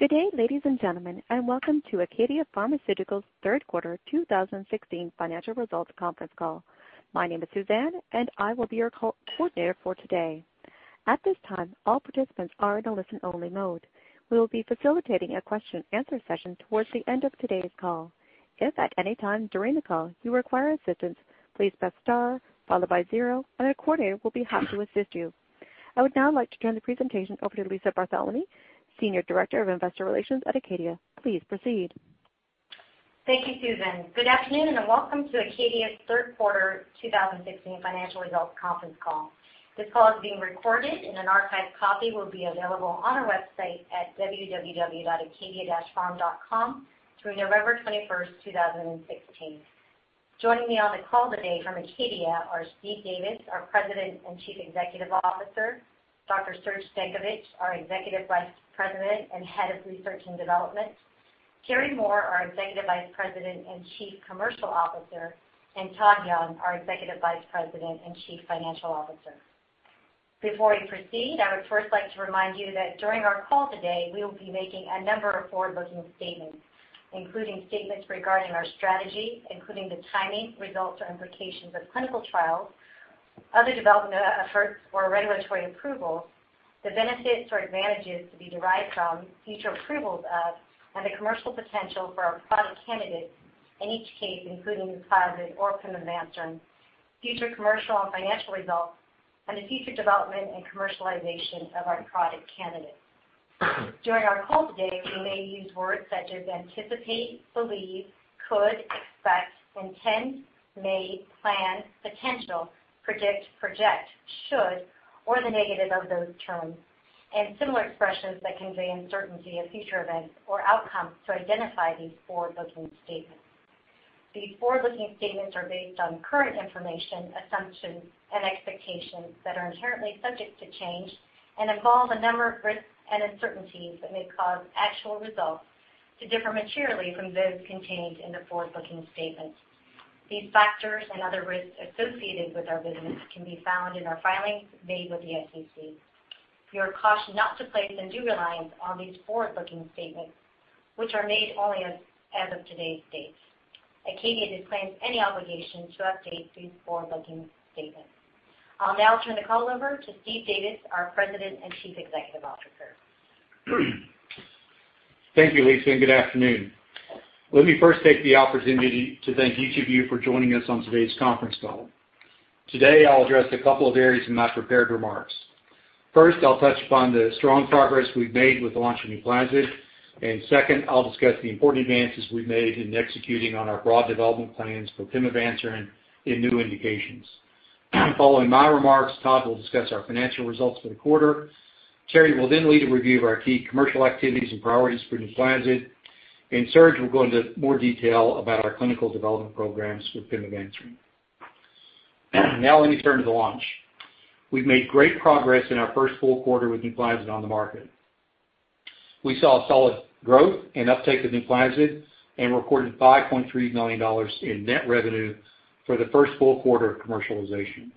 Good day, ladies and gentlemen, welcome to ACADIA Pharmaceuticals' third quarter 2016 financial results conference call. My name is Suzanne, I will be your coordinator for today. At this time, all participants are in a listen-only mode. We will be facilitating a question and answer session towards the end of today's call. If at any time during the call you require assistance, please press star followed by zero, a coordinator will be happy to assist you. I would now like to turn the presentation over to Lisa Barthelemy, Senior Director of Investor Relations at Acadia. Please proceed. Thank you, Suzanne. Good afternoon, welcome to Acadia's third quarter 2016 financial results conference call. This call is being recorded, an archived copy will be available on our website at acadia-pharm.com through November 21st, 2016. Joining me on the call today from Acadia are Steve Davis, our President and Chief Executive Officer, Dr. Serge Stankovic, our Executive Vice President and Head of Research and Development, Terry Moore, our Executive Vice President and Chief Commercial Officer, Todd Young, our Executive Vice President and Chief Financial Officer. Before we proceed, I would first like to remind you that during our call today, we will be making a number of forward-looking statements, including statements regarding our strategy, including the timing, results, or implications of clinical trials, other development efforts or regulatory approvals, the benefits or advantages to be derived from future approvals of, the commercial potential for our product candidates in each case, including NUPLAZID or pimavanserin, future commercial and financial results, the future development and commercialization of our product candidates. During our call today, we may use words such as anticipate, believe, could, expect, intend, may, plan, potential, predict, project, should, or the negative of those terms, similar expressions that convey uncertainty of future events or outcomes to identify these forward-looking statements. These forward-looking statements are based on current information, assumptions, expectations that are inherently subject to change, involve a number of risks and uncertainties that may cause actual results to differ materially from those contained in the forward-looking statements. These factors, other risks associated with our business can be found in our filings made with the SEC. You are cautioned not to place undue reliance on these forward-looking statements, which are made only as of today's date. Acadia disclaims any obligation to update these forward-looking statements. I'll now turn the call over to Steve Davis, our President and Chief Executive Officer. Thank you, Lisa, good afternoon. Let me first take the opportunity to thank each of you for joining us on today's conference call. Today, I'll address a couple of areas in my prepared remarks. First, I'll touch upon the strong progress we've made with the launch of NUPLAZID, second, I'll discuss the important advances we've made in executing on our broad development plans for pimavanserin in new indications. Following my remarks, Todd will discuss our financial results for the quarter. Terry will then lead a review of our key commercial activities and priorities for NUPLAZID, Serge will go into more detail about our clinical development programs with pimavanserin. Let me turn to the launch. We've made great progress in our first full quarter with NUPLAZID on the market. We saw solid growth and uptake of NUPLAZID and recorded $5.3 million in net revenue for the first full quarter of commercialization.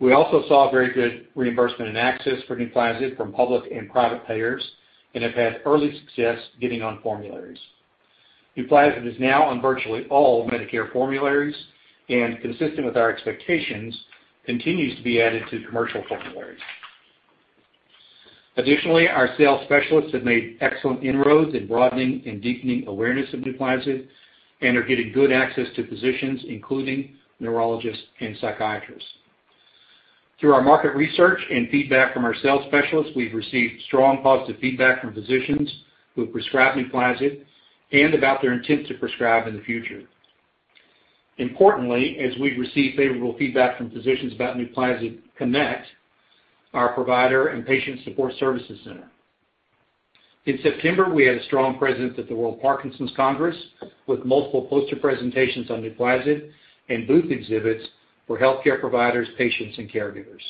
We also saw very good reimbursement and access for NUPLAZID from public and private payers and have had early success getting on formularies. NUPLAZID is now on virtually all Medicare formularies, consistent with our expectations, continues to be added to commercial formularies. Our sales specialists have made excellent inroads in broadening and deepening awareness of NUPLAZID and are getting good access to physicians, including neurologists and psychiatrists. Through our market research and feedback from our sales specialists, we've received strong positive feedback from physicians who have prescribed NUPLAZID and about their intent to prescribe in the future. Importantly, as we've received favorable feedback from physicians about NUPLAZID Connect, our provider and patient support services center. In September, we had a strong presence at the World Parkinson Congress with multiple poster presentations on NUPLAZID and booth exhibits for healthcare providers, patients, and caregivers.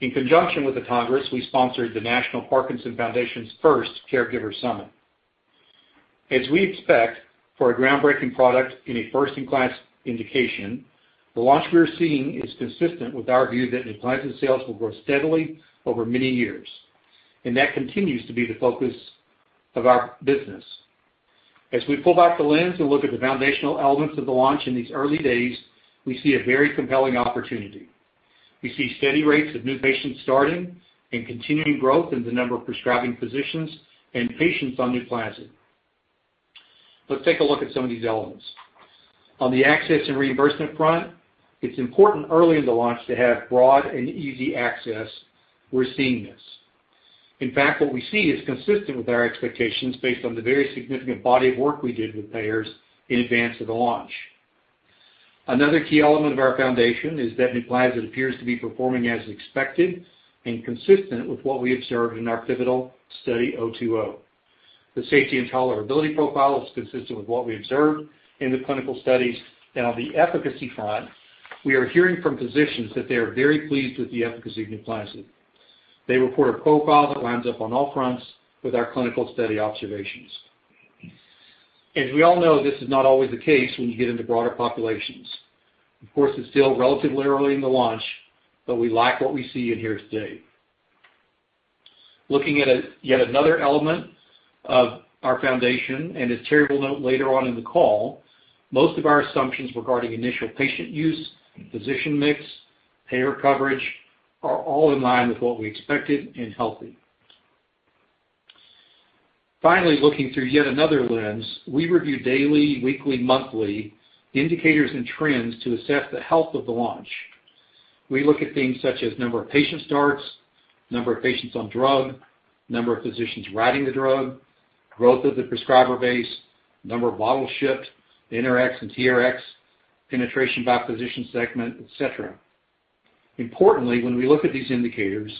In conjunction with the Congress, we sponsored the National Parkinson Foundation's first Caregiver Summit. As we expect for a groundbreaking product in a first-in-class indication, the launch we are seeing is consistent with our view that NUPLAZID sales will grow steadily over many years, that continues to be the focus of our business. As we pull back the lens and look at the foundational elements of the launch in these early days, we see a very compelling opportunity. We see steady rates of new patients starting and continuing growth in the number of prescribing physicians and patients on NUPLAZID. Let's take a look at some of these elements. On the access and reimbursement front, it's important early in the launch to have broad and easy access. We're seeing this. In fact, what we see is consistent with our expectations based on the very significant body of work we did with payers in advance of the launch. Another key element of our foundation is that NUPLAZID appears to be performing as expected and consistent with what we observed in our pivotal study -020. The safety and tolerability profile is consistent with what we observed in the clinical studies. On the efficacy front, we are hearing from physicians that they are very pleased with the efficacy of NUPLAZID. They report a profile that lines up on all fronts with our clinical study observations. As we all know, this is not always the case when you get into broader populations. Of course, it's still relatively early in the launch. We like what we see and hear to date. Looking at yet another element of our foundation, as Terry will note later on in the call, most of our assumptions regarding initial patient use, physician mix, payer coverage, are all in line with what we expected and healthy. Finally, looking through yet another lens, we review daily, weekly, monthly indicators and trends to assess the health of the launch. We look at things such as number of patient starts, number of patients on drug, number of physicians writing the drug, growth of the prescriber base, number of bottles shipped, NRx and TRX, penetration by physician segment, et cetera. Importantly, when we look at these indicators,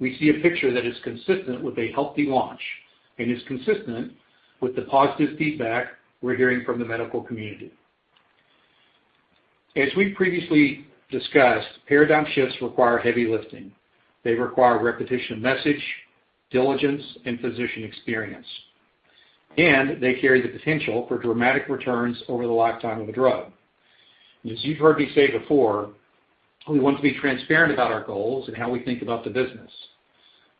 we see a picture that is consistent with a healthy launch and is consistent with the positive feedback we're hearing from the medical community. As we previously discussed, paradigm shifts require heavy lifting. They require repetition of message, diligence, and physician experience. They carry the potential for dramatic returns over the lifetime of a drug. As you've heard me say before, we want to be transparent about our goals and how we think about the business.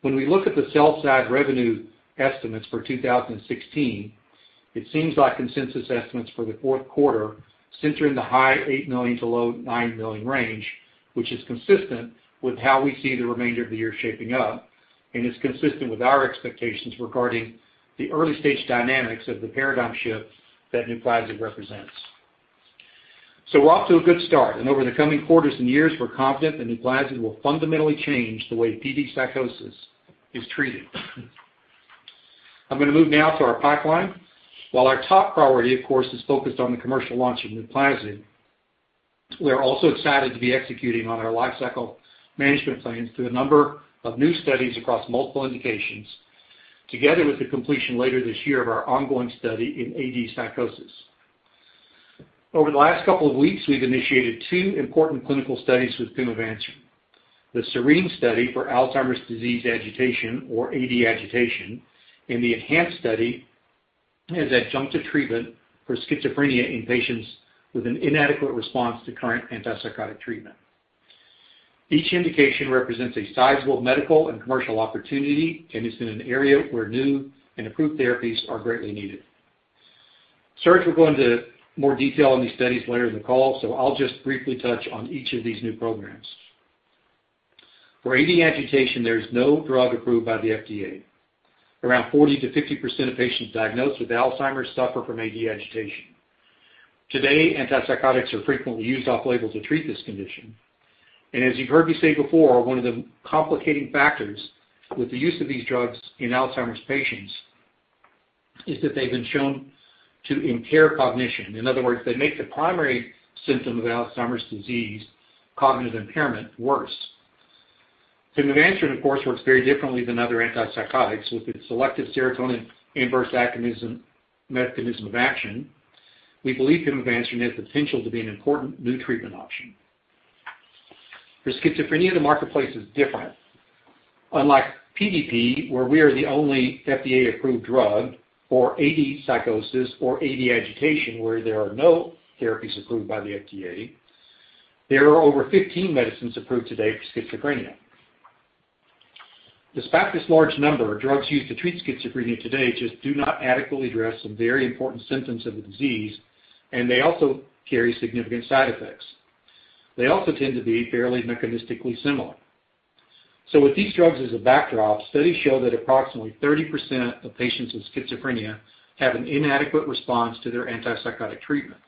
When we look at the sell side revenue estimates for 2016, it seems like consensus estimates for the fourth quarter center in the high $8 million to low $9 million range, which is consistent with how we see the remainder of the year shaping up, and is consistent with our expectations regarding the early-stage dynamics of the paradigm shift that NUPLAZID represents. We're off to a good start, and over the coming quarters and years, we're confident that NUPLAZID will fundamentally change the way PD psychosis is treated. I'm going to move now to our pipeline. While our top priority, of course, is focused on the commercial launch of NUPLAZID, we are also excited to be executing on our lifecycle management plans through a number of new studies across multiple indications, together with the completion later this year of our ongoing study in AD Psychosis. Over the last couple of weeks, we've initiated two important clinical studies with pimavanserin: the SERENE study for Alzheimer's disease agitation, or AD Agitation, and the ENHANCE study as adjunctive treatment for schizophrenia in patients with an inadequate response to current antipsychotic treatment. Each indication represents a sizable medical and commercial opportunity and is in an area where new and improved therapies are greatly needed. Serge will go into more detail on these studies later in the call. I'll just briefly touch on each of these new programs. For AD Agitation, there is no drug approved by the FDA. Around 40%-50% of patients diagnosed with Alzheimer's suffer from AD Agitation. Today, antipsychotics are frequently used off-label to treat this condition. As you've heard me say before, one of the complicating factors with the use of these drugs in Alzheimer's patients is that they've been shown to impair cognition. In other words, they make the primary symptom of Alzheimer's disease, cognitive impairment, worse. Pimavanserin, of course, works very differently than other antipsychotics with its selective serotonin inverse mechanism of action. We believe pimavanserin has the potential to be an important new treatment option. For schizophrenia, the marketplace is different. Unlike PDP, where we are the only FDA-approved drug for AD Psychosis or AD Agitation where there are no therapies approved by the FDA, there are over 15 medicines approved today for schizophrenia. Despite this large number, drugs used to treat schizophrenia today just do not adequately address some very important symptoms of the disease, and they also carry significant side effects. They also tend to be fairly mechanistically similar. With these drugs as a backdrop, studies show that approximately 30% of patients with schizophrenia have an inadequate response to their antipsychotic treatment.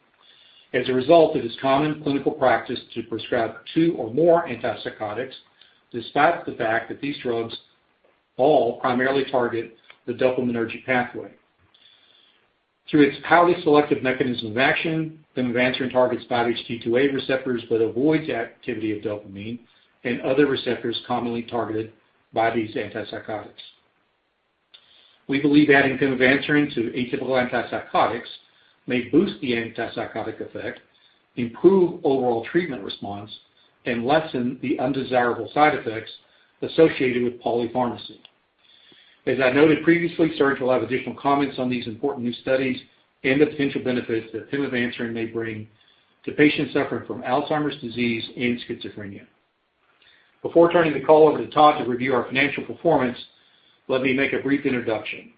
As a result, it is common clinical practice to prescribe two or more antipsychotics, despite the fact that these drugs all primarily target the dopaminergic pathway. Through its highly selective mechanism of action, pimavanserin targets 5-HT2A receptors but avoids the activity of dopamine and other receptors commonly targeted by these antipsychotics. We believe adding pimavanserin to atypical antipsychotics may boost the antipsychotic effect, improve overall treatment response, and lessen the undesirable side effects associated with polypharmacy. As I noted previously, Serge will have additional comments on these important new studies and the potential benefits that pimavanserin may bring to patients suffering from Alzheimer's disease and schizophrenia. Before turning the call over to Todd to review our financial performance, let me make a brief introduction.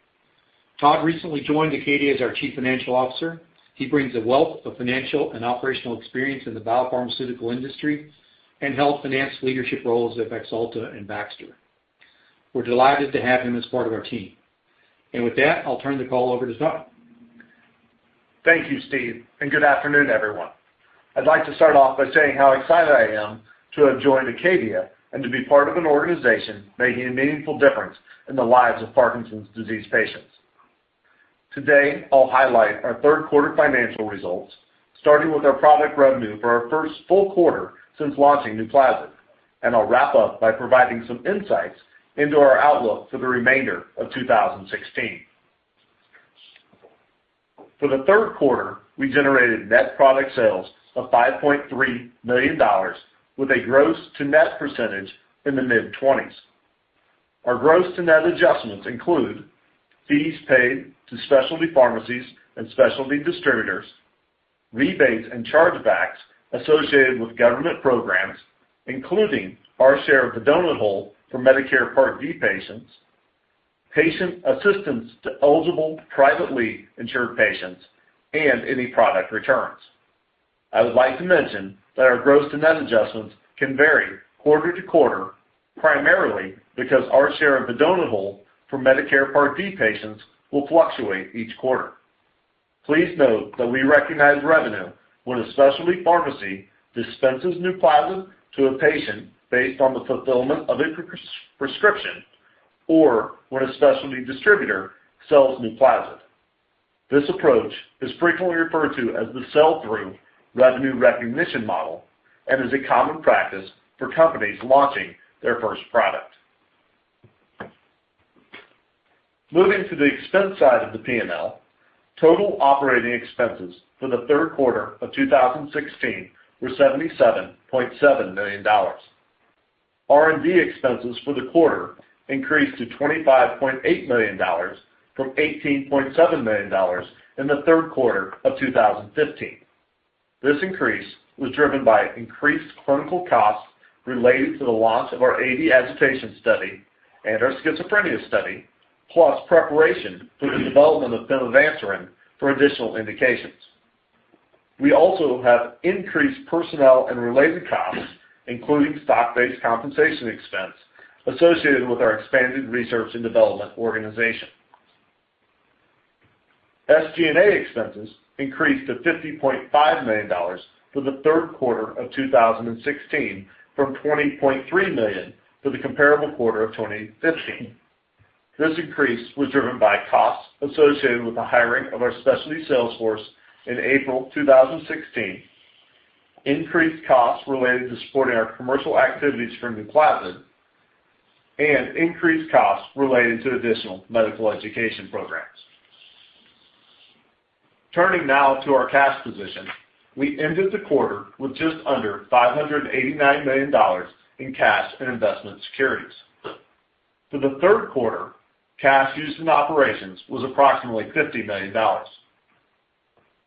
Todd recently joined ACADIA as our Chief Financial Officer. He brings a wealth of financial and operational experience in the biopharmaceutical industry and held finance leadership roles at Baxalta and Baxter. We're delighted to have him as part of our team. With that, I'll turn the call over to Todd. Thank you, Steve, and good afternoon, everyone. I'd like to start off by saying how excited I am to have joined ACADIA and to be part of an organization making a meaningful difference in the lives of Parkinson's disease patients. Today, I'll highlight our third quarter financial results, starting with our product revenue for our first full quarter since launching NUPLAZID. I'll wrap up by providing some insights into our outlook for the remainder of 2016. For the third quarter, we generated net product sales of $5.3 million, with a gross to net percentage in the mid-20s. Our gross to net adjustments include fees paid to specialty pharmacies and specialty distributors, rebates and chargebacks associated with government programs, including our share of the donut hole for Medicare Part D patients, patient assistance to eligible privately insured patients, and any product returns. I would like to mention that our gross and net adjustments can vary quarter to quarter, primarily because our share of the donut hole for Medicare Part D patients will fluctuate each quarter. Please note that we recognize revenue when a specialty pharmacy dispenses NUPLAZID to a patient based on the fulfillment of a prescription, or when a specialty distributor sells NUPLAZID. This approach is frequently referred to as the sell-through revenue recognition model and is a common practice for companies launching their first product. Moving to the expense side of the P&L, total operating expenses for the third quarter of 2016 were $77.7 million. R&D expenses for the quarter increased to $25.8 million from $18.7 million in the third quarter of 2015. This increase was driven by increased clinical costs related to the launch of our AD Agitation study and our schizophrenia study, plus preparation for the development of pimavanserin for additional indications. We also have increased personnel and related costs, including stock-based compensation expense associated with our expanded research and development organization. SG&A expenses increased to $50.5 million for the third quarter of 2016 from $20.3 million for the comparable quarter of 2015. This increase was driven by costs associated with the hiring of our specialty sales force in April 2016, increased costs related to supporting our commercial activities for NUPLAZID, and increased costs related to additional medical education programs. Turning now to our cash position. We ended the quarter with just under $589 million in cash and investment securities. For the third quarter, cash used in operations was approximately $50 million.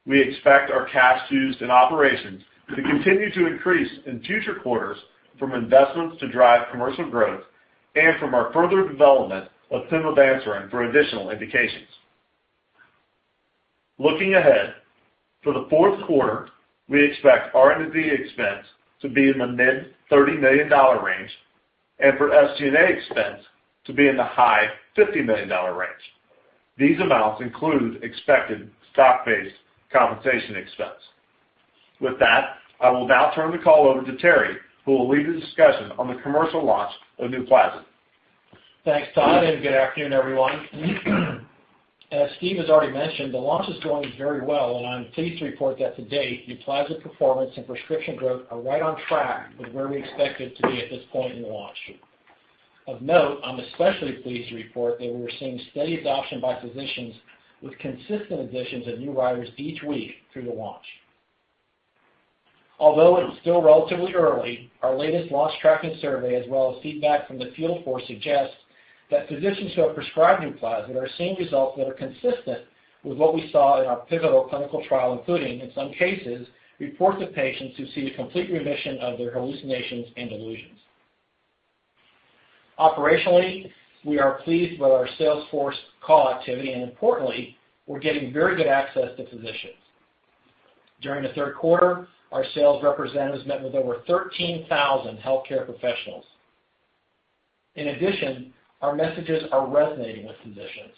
We expect our cash used in operations to continue to increase in future quarters from investments to drive commercial growth and from our further development of pimavanserin for additional indications. Looking ahead, for the fourth quarter, we expect R&D expense to be in the mid-$30 million range and for SG&A expense to be in the high-$50 million range. These amounts include expected stock-based compensation expense. With that, I will now turn the call over to Terry, who will lead the discussion on the commercial launch of NUPLAZID. Thanks, Todd, and good afternoon, everyone. As Steve has already mentioned, the launch is going very well, and I'm pleased to report that to date, NUPLAZID performance and prescription growth are right on track with where we expect it to be at this point in the launch. Of note, I'm especially pleased to report that we're seeing steady adoption by physicians with consistent additions of new writers each week through the launch. Although it is still relatively early, our latest launch tracking survey as well as feedback from the field force suggests that physicians who have prescribed NUPLAZID are seeing results that are consistent with what we saw in our pivotal clinical trial, including, in some cases, reports of patients who see complete remission of their hallucinations and delusions. Operationally, we are pleased with our sales force call activity, and importantly, we're getting very good access to physicians. During the third quarter, our sales representatives met with over 13,000 healthcare professionals. In addition, our messages are resonating with physicians,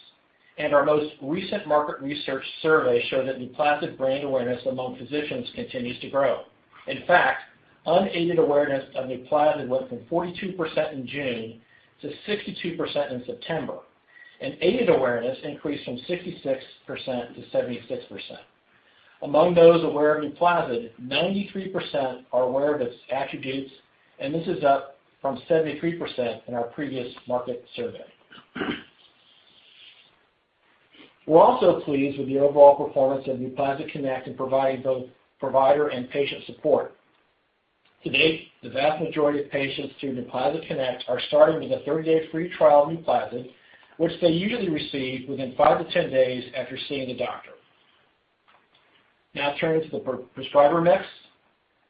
and our most recent market research survey showed that NUPLAZID brand awareness among physicians continues to grow. In fact, unaided awareness of NUPLAZID went from 42% in June to 62% in September, and aided awareness increased from 66% to 76%. Among those aware of NUPLAZID, 93% are aware of its attributes, and this is up from 73% in our previous market survey. We're also pleased with the overall performance of NUPLAZID Connect in providing both provider and patient support. To date, the vast majority of patients through NUPLAZID Connect are starting with a 30-day free trial of NUPLAZID, which they usually receive within five to 10 days after seeing the doctor. Now turning to the prescriber mix.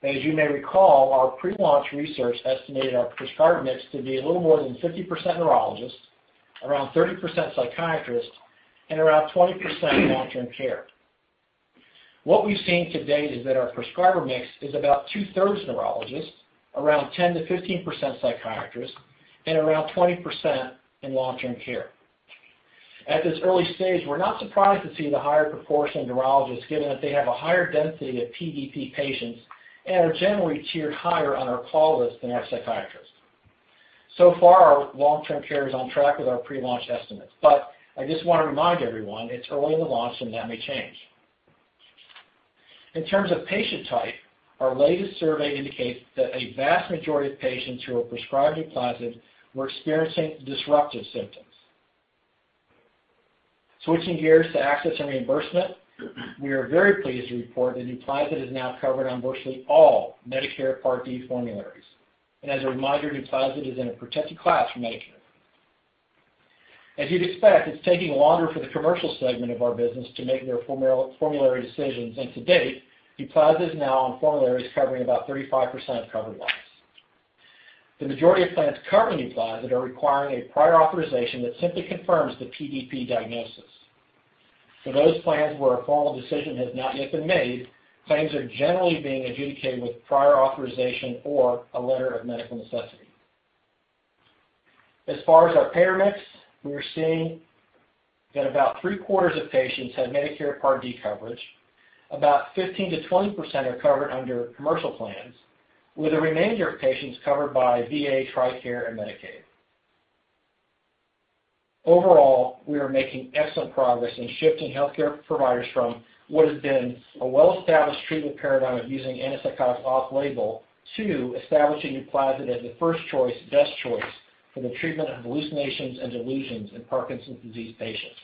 As you may recall, our pre-launch research estimated our prescriber mix to be a little more than 50% neurologists, around 30% psychiatrists, and around 20% long-term care. What we've seen to date is that our prescriber mix is about two-thirds neurologists, around 10%-15% psychiatrists, and around 20% in long-term care. At this early stage, we're not surprised to see the higher proportion of neurologists, given that they have a higher density of PDP patients and are generally tiered higher on our call list than are psychiatrists. So far, our long-term care is on track with our pre-launch estimates, but I just want to remind everyone it's early in the launch and that may change. In terms of patient type, our latest survey indicates that a vast majority of patients who were prescribed NUPLAZID were experiencing disruptive symptoms. Switching gears to access and reimbursement, we are very pleased to report that NUPLAZID is now covered on virtually all Medicare Part D formularies. As a reminder, NUPLAZID is in a protected class for Medicare. As you'd expect, it's taking longer for the commercial segment of our business to make their formulary decisions, and to date, NUPLAZID is now on formularies covering about 35% of covered lives. The majority of plans covering NUPLAZID are requiring a prior authorization that simply confirms the PDP diagnosis. For those plans where a formal decision has not yet been made, claims are generally being adjudicated with prior authorization or a letter of medical necessity. As far as our payer mix, we are seeing that about three-quarters of patients had Medicare Part D coverage. About 15%-20% are covered under commercial plans, with the remainder of patients covered by VA, TRICARE, and Medicaid. Overall, we are making excellent progress in shifting healthcare providers from what has been a well-established treatment paradigm of using antipsychotics off-label to establishing NUPLAZID as the first choice, best choice for the treatment of hallucinations and delusions in Parkinson's disease patients.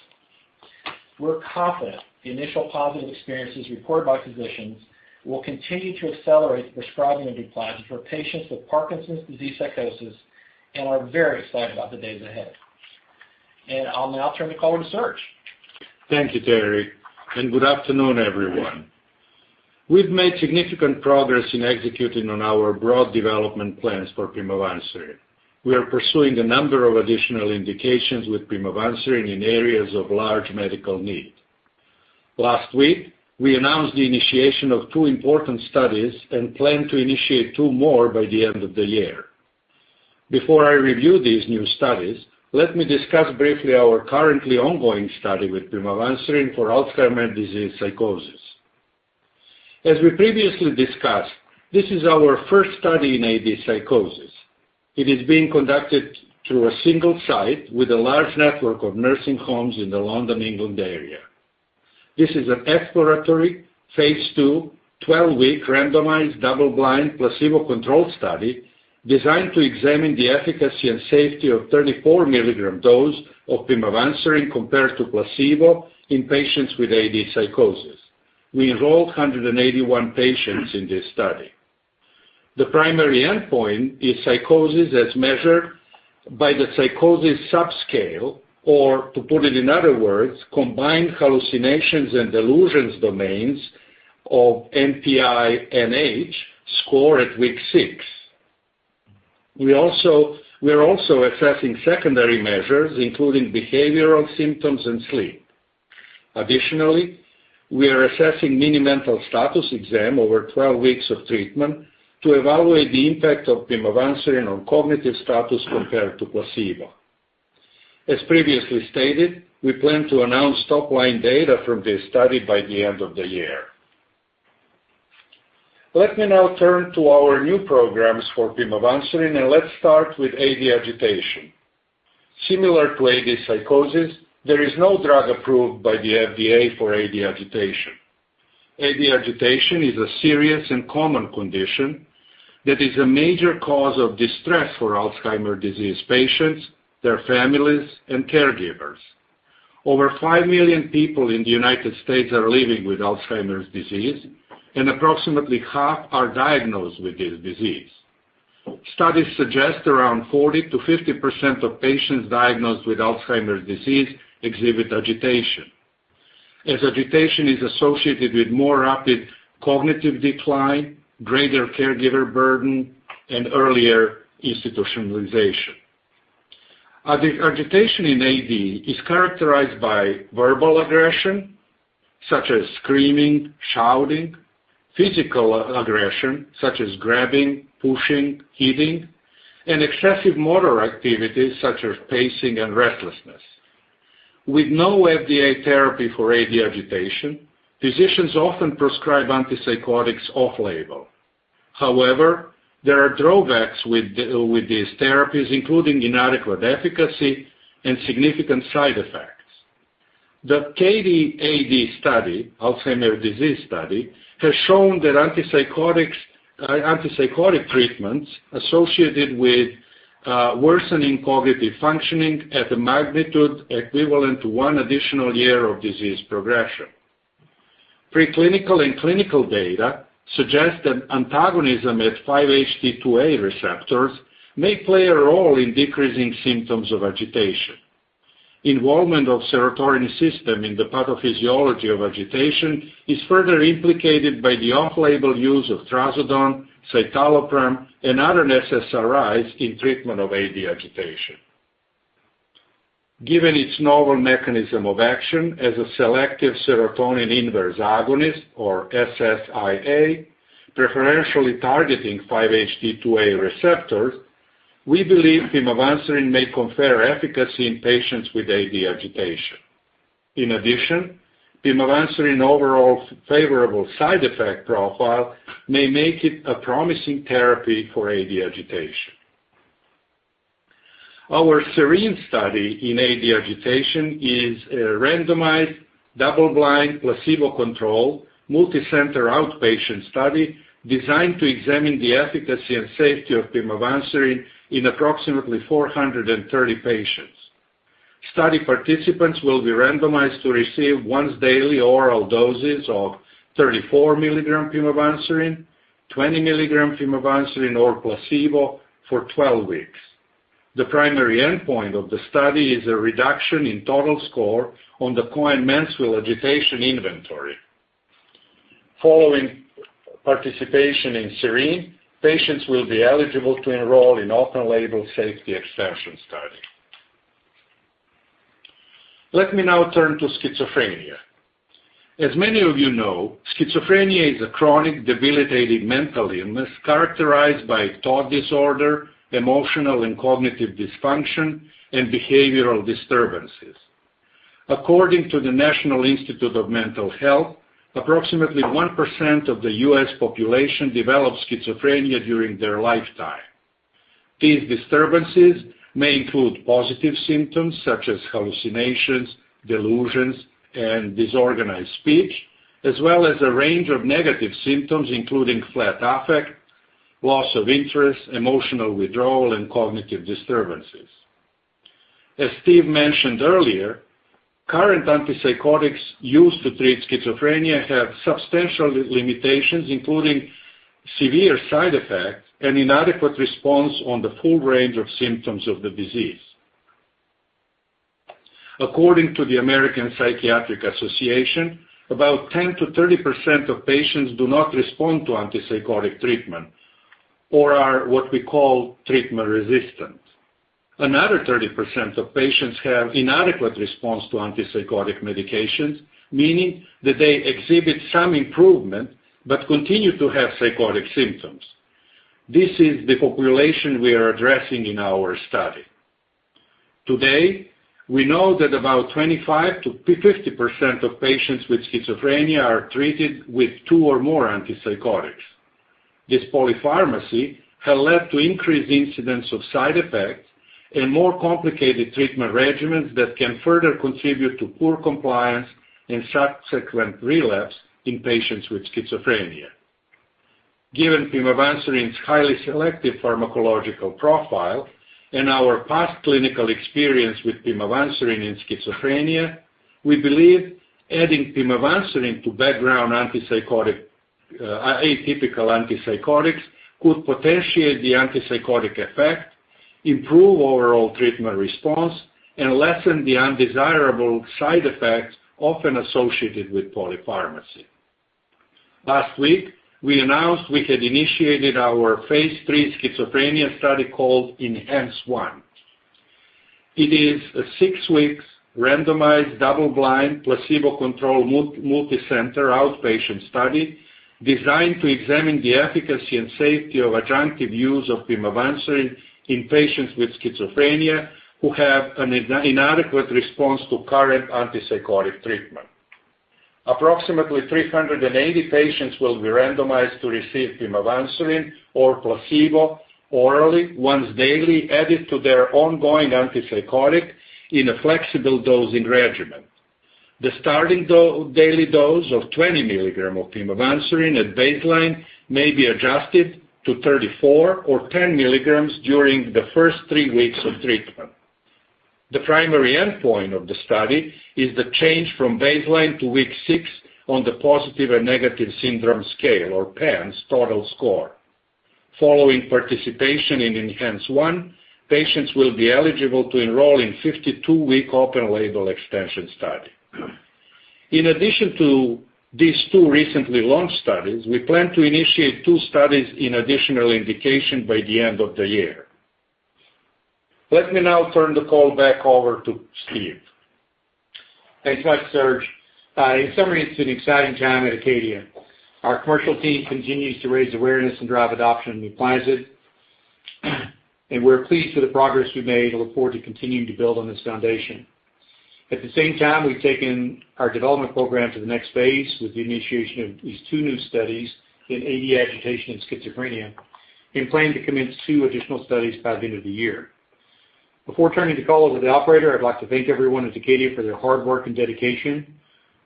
We're confident the initial positive experiences reported by physicians will continue to accelerate the prescribing of NUPLAZID for patients with Parkinson's disease psychosis and are very excited about the days ahead. I'll now turn the call over to Serge. Thank you, Terry, and good afternoon, everyone. We've made significant progress in executing on our broad development plans for pimavanserin. We are pursuing a number of additional indications with pimavanserin in areas of large medical need. Last week, we announced the initiation of two important studies and plan to initiate two more by the end of the year. Before I review these new studies, let me discuss briefly our currently ongoing study with pimavanserin for Alzheimer's disease psychosis. As we previously discussed, this is our first study in AD psychosis. It is being conducted through a single site with a large network of nursing homes in the London, England, area. This is an exploratory, phase II, 12-week, randomized, double-blind, placebo-controlled study designed to examine the efficacy and safety of 34 milligram dose of pimavanserin compared to placebo in patients with AD psychosis. We enrolled 181 patients in this study. The primary endpoint is psychosis as measured by the psychosis subscale, or to put it in other words, combined hallucinations and delusions domains of NPI-NH scored at week 6. We are also assessing secondary measures, including behavioral symptoms and sleep. Additionally, we are assessing Mini-Mental status exam over 12 weeks of treatment to evaluate the impact of pimavanserin on cognitive status compared to placebo. As previously stated, we plan to announce top-line data from this study by the end of the year. Let me now turn to our new programs for pimavanserin, and let's start with AD agitation. Similar to AD psychosis, there is no drug approved by the FDA for AD agitation. AD agitation is a serious and common condition that is a major cause of distress for Alzheimer's disease patients, their families, and caregivers. Over five million people in the U.S. are living with Alzheimer's disease and approximately half are diagnosed with this disease. Studies suggest around 40%-50% of patients diagnosed with Alzheimer's disease exhibit agitation, as agitation is associated with more rapid cognitive decline, greater caregiver burden, and earlier institutionalization. Agitation in AD is characterized by verbal aggression, such as screaming, shouting; physical aggression, such as grabbing, pushing, hitting; and excessive motor activity, such as pacing and restlessness. With no FDA therapy for AD agitation, physicians often prescribe antipsychotics off-label. However, there are drawbacks with these therapies, including inadequate efficacy and significant side effects. The CATIE-AD study, Alzheimer's disease study, has shown that antipsychotic treatments associated with worsening cognitive functioning at a magnitude equivalent to one additional year of disease progression. Preclinical and clinical data suggest that antagonism at 5-HT2A receptors may play a role in decreasing symptoms of agitation. Involvement of serotonin system in the pathophysiology of agitation is further implicated by the off-label use of trazodone, citalopram, and other SSRIs in treatment of AD agitation. Given its novel mechanism of action as a selective serotonin inverse agonist, or SSIA, preferentially targeting 5-HT2A receptors, we believe pimavanserin may confer efficacy in patients with AD agitation. In addition, pimavanserin overall favorable side effect profile may make it a promising therapy for AD agitation. Our SERENE study in AD agitation is a randomized Double-blind, placebo-controlled, multicenter outpatient study designed to examine the efficacy and safety of pimavanserin in approximately 430 patients. Study participants will be randomized to receive once daily oral doses of 34 milligram pimavanserin, 20 milligram pimavanserin or placebo for 12 weeks. The primary endpoint of the study is a reduction in total score on the Cohen-Mansfield Agitation Inventory. Following participation in SERENE, patients will be eligible to enroll in open-label safety expansion study. Let me now turn to schizophrenia. As many of you know, schizophrenia is a chronic, debilitating mental illness characterized by thought disorder, emotional and cognitive dysfunction, and behavioral disturbances. According to the National Institute of Mental Health, approximately 1% of the U.S. population develops schizophrenia during their lifetime. These disturbances may include positive symptoms such as hallucinations, delusions, and disorganized speech, as well as a range of negative symptoms including flat affect, loss of interest, emotional withdrawal, and cognitive disturbances. As Steve mentioned earlier, current antipsychotics used to treat schizophrenia have substantial limitations, including severe side effects and inadequate response on the full range of symptoms of the disease. According to the American Psychiatric Association, about 10%-30% of patients do not respond to antipsychotic treatment or are what we call treatment-resistant. Another 30% of patients have inadequate response to antipsychotic medications, meaning that they exhibit some improvement but continue to have psychotic symptoms. This is the population we are addressing in our study. Today, we know that about 25%-50% of patients with schizophrenia are treated with two or more antipsychotics. This polypharmacy has led to increased incidence of side effects and more complicated treatment regimens that can further contribute to poor compliance and subsequent relapse in patients with schizophrenia. Given pimavanserin's highly selective pharmacological profile and our past clinical experience with pimavanserin in schizophrenia, we believe adding pimavanserin to background atypical antipsychotics could potentiate the antipsychotic effect, improve overall treatment response, and lessen the undesirable side effects often associated with polypharmacy. Last week, we announced we had initiated our phase III schizophrenia study called ENHANCE-1. It is a six-week randomized, double-blind, placebo-controlled, multicenter outpatient study designed to examine the efficacy and safety of adjunctive use of pimavanserin in patients with schizophrenia who have an inadequate response to current antipsychotic treatment. Approximately 380 patients will be randomized to receive pimavanserin or placebo orally once daily, added to their ongoing antipsychotic in a flexible dosing regimen. The starting daily dose of 20 milligrams of pimavanserin at baseline may be adjusted to 34 or 10 milligrams during the first three weeks of treatment. The primary endpoint of the study is the change from baseline to week six on the Positive and Negative Syndrome Scale or PANSS total score. Following participation in ENHANCE-1, patients will be eligible to enroll in 52-week open-label extension study. In addition to these two recently launched studies, we plan to initiate two studies in additional indication by the end of the year. Let me now turn the call back over to Steve. Thanks much, Serge. In summary, it's an exciting time at Acadia. Our commercial team continues to raise awareness and drive adoption of NUPLAZID, and we're pleased with the progress we've made and look forward to continuing to build on this foundation. At the same time, we've taken our development program to the next phase with the initiation of these two new studies in AD Agitation and schizophrenia, and plan to commence two additional studies by the end of the year. Before turning the call over to the operator, I'd like to thank everyone at Acadia for their hard work and dedication.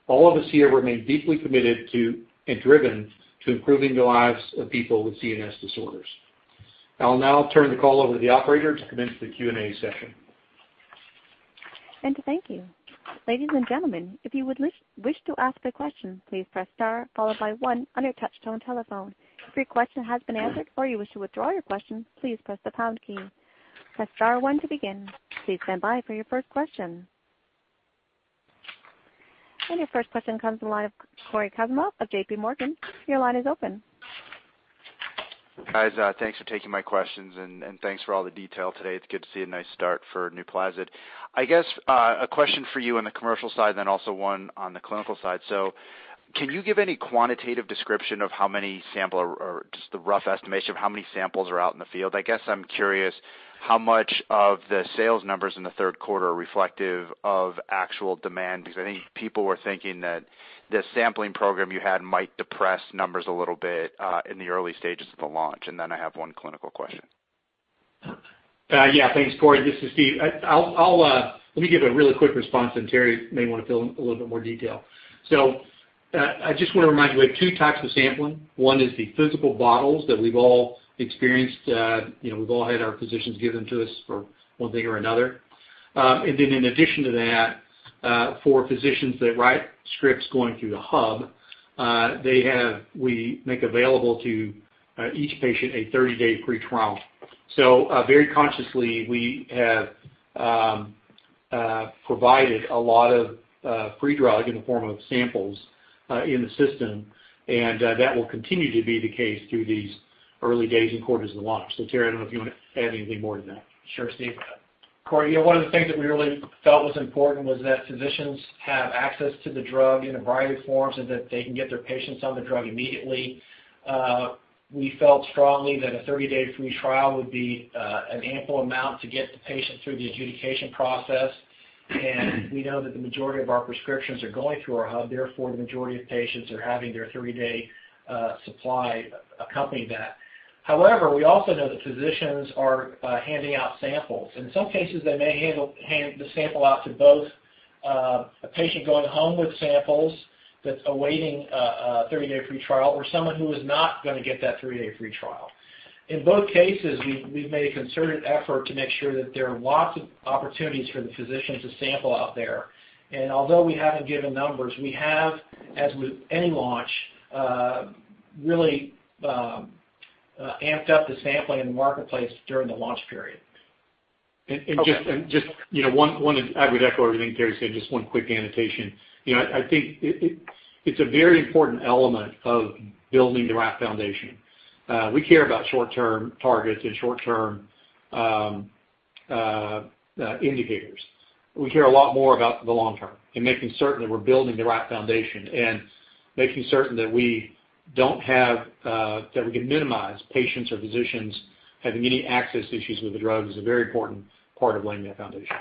All of us here remain deeply committed to and driven to improving the lives of people with CNS disorders. I'll now turn the call over to the operator to commence the Q&A session. Thank you. Ladies and gentlemen, if you would wish to ask a question, please press star followed by one on your touchtone telephone. If your question has been answered or you wish to withdraw your question, please press the pound key. Press star one to begin. Please stand by for your first question. Your first question comes from the line of Cory Kasimov of J.P. Morgan, your line is open. Guys, thanks for taking my questions, and thanks for all the detail today. It's good to see a nice start for NUPLAZID. I guess, a question for you on the commercial side, then also one on the clinical side. So can you give any quantitative description of how many sample or just the rough estimation of how many samples are out in the field? I guess I'm curious how much of the sales numbers in the third quarter are reflective of actual demand, because I think people were thinking that the sampling program you had might depress numbers a little bit in the early stages of the launch. And then I have one clinical question. Yeah. Thanks, Cory. This is Steve. Let me give a really quick response, then Terry may want to fill in a little bit more detail. So I just want to remind you, we have two types of sampling. One is the physical bottles that we've all experienced. We've all had our physicians give them to us for one thing or another. And then in addition to that, for physicians that write scripts going through the hub, we make available to each patient a 30-day free trial. So very consciously, we have provided a lot of free drug in the form of samples in the system, and that will continue to be the case through these early days and quarters of the launch. So Terry, I don't know if you want to add anything more to that. Sure, Steve. Cory, one of the things that we really felt was important was that physicians have access to the drug in a variety of forms so that they can get their patients on the drug immediately. We felt strongly that a 30-day free trial would be an ample amount to get the patient through the adjudication process. And we know that the majority of our prescriptions are going through our hub, therefore, the majority of patients are having their 30-day supply accompany that. However, we also know that physicians are handing out samples. In some cases, they may hand the sample out to both a patient going home with samples that's awaiting a 30-day free trial or someone who is not going to get that 30-day free trial. In both cases, we've made a concerted effort to make sure that there are lots of opportunities for the physicians to sample out there. Although we haven't given numbers, we have, as with any launch, really amped up the sampling in the marketplace during the launch period. Just one, I would echo everything Terry said, just one quick annotation. I think it's a very important element of building the right foundation. We care about short-term targets and short-term indicators. We care a lot more about the long term and making certain that we're building the right foundation and making certain that we can minimize patients or physicians having any access issues with the drug is a very important part of laying that foundation.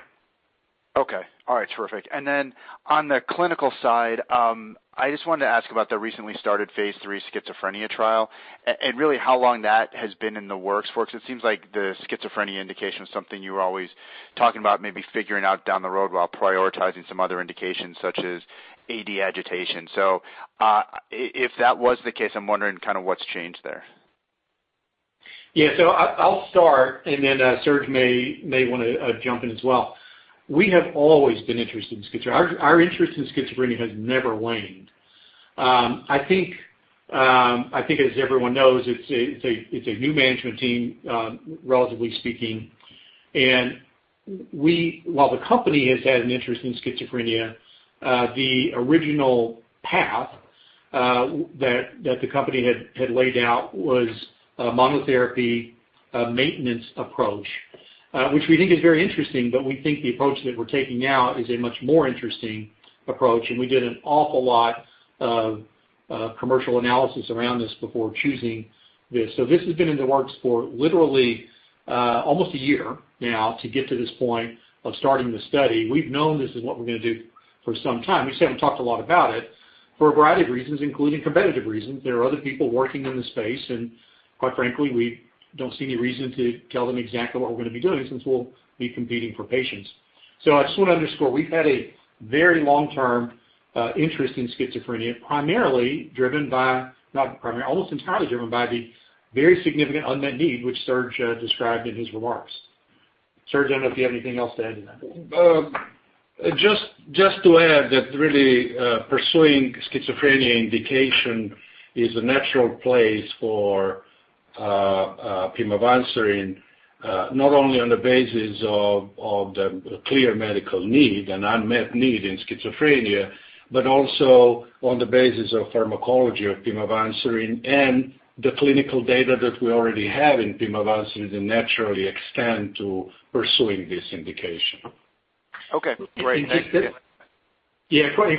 Okay. All right, terrific. Then on the clinical side, I just wanted to ask about the recently started phase III schizophrenia trial and really how long that has been in the works for. Because it seems like the schizophrenia indication was something you were always talking about maybe figuring out down the road while prioritizing some other indications such as AD Agitation. If that was the case, I'm wondering what's changed there. Yeah. I'll start, then Serge may want to jump in as well. We have always been interested in schizophrenia. Our interest in schizophrenia has never waned. I think as everyone knows, it's a new management team, relatively speaking. While the company has had an interest in schizophrenia, the original path that the company had laid out was a monotherapy maintenance approach, which we think is very interesting, we think the approach that we're taking now is a much more interesting approach, we did an awful lot of commercial analysis around this before choosing this. This has been in the works for literally almost a year now to get to this point of starting the study. We've known this is what we're going to do for some time. You see, I haven't talked a lot about it for a variety of reasons, including competitive reasons. There are other people working in the space. Quite frankly, we don't see any reason to tell them exactly what we're going to be doing since we'll be competing for patients. I just want to underscore, we've had a very long-term interest in schizophrenia, almost entirely driven by the very significant unmet need, which Serge described in his remarks. Serge, I don't know if you have anything else to add to that. Just to add that really pursuing schizophrenia indication is a natural place for pimavanserin, not only on the basis of the clear medical need, an unmet need in schizophrenia, but also on the basis of pharmacology of pimavanserin and the clinical data that we already have in pimavanserin to naturally extend to pursuing this indication. Okay, great. Yeah, Cory,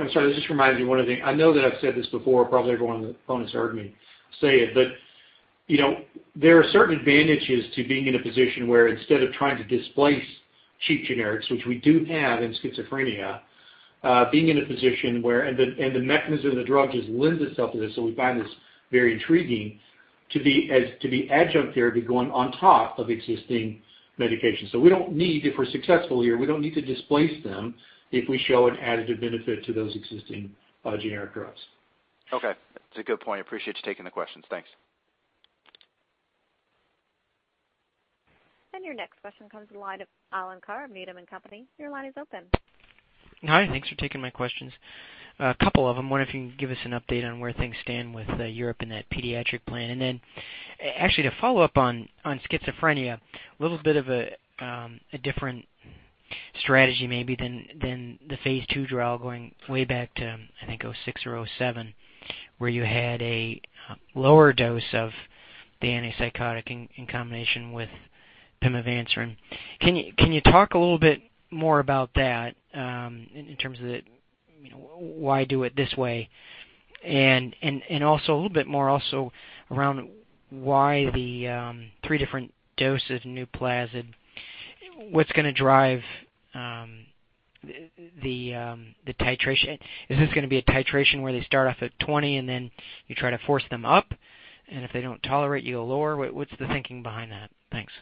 I'm sorry. This just reminds me, one other thing. I know that I've said this before, probably everyone on the phone has heard me say it, but there are certain advantages to being in a position where instead of trying to displace cheap generics, which we do have in schizophrenia, being in a position where the mechanism of the drug just lends itself to this. We find this very intriguing to be adjunct therapy going on top of existing medications. If we're successful here, we don't need to displace them if we show an additive benefit to those existing generic drugs. Okay. That's a good point. I appreciate you taking the questions. Thanks. Your next question comes from the line of Alan Carr, Needham & Company. Your line is open. Hi, thanks for taking my questions. A couple of them. One, if you can give us an update on where things stand with Europe and that pediatric plan. Then actually to follow up on schizophrenia, a little bit of a different strategy maybe than the phase II trial going way back to, I think, 2006 or 2007, where you had a lower dose of the antipsychotic in combination with pimavanserin. Can you talk a little bit more about that in terms of why do it this way? Also a little bit more also around why the three different doses in NUPLAZID, what's going to drive the titration, is this going to be a titration where they start off at 20 and then you try to force them up, and if they don't tolerate, you go lower? What's the thinking behind that? Thanks.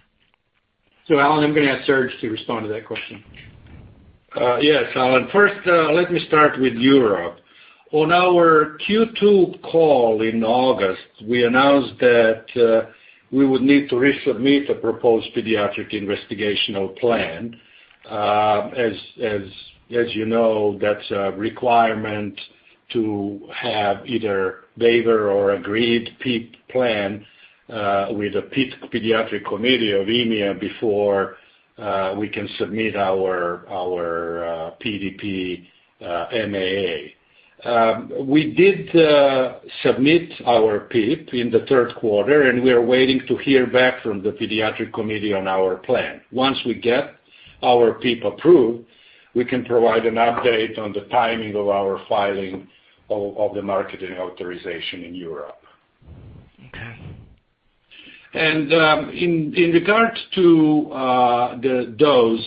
Alan, I'm going to ask Serge to respond to that question. Yes, Alan. First, let me start with Europe. On our Q2 call in August, we announced that we would need to resubmit a proposed pediatric investigational plan. As you know, that's a requirement to have either waiver or agreed ped plan with a pediatric committee of EMA before we can submit our PDP MAA. We did submit our ped in the third quarter, and we are waiting to hear back from the pediatric committee on our plan. Once we get our ped approved, we can provide an update on the timing of our filing of the marketing authorization in Europe. Okay. In regard to the dose,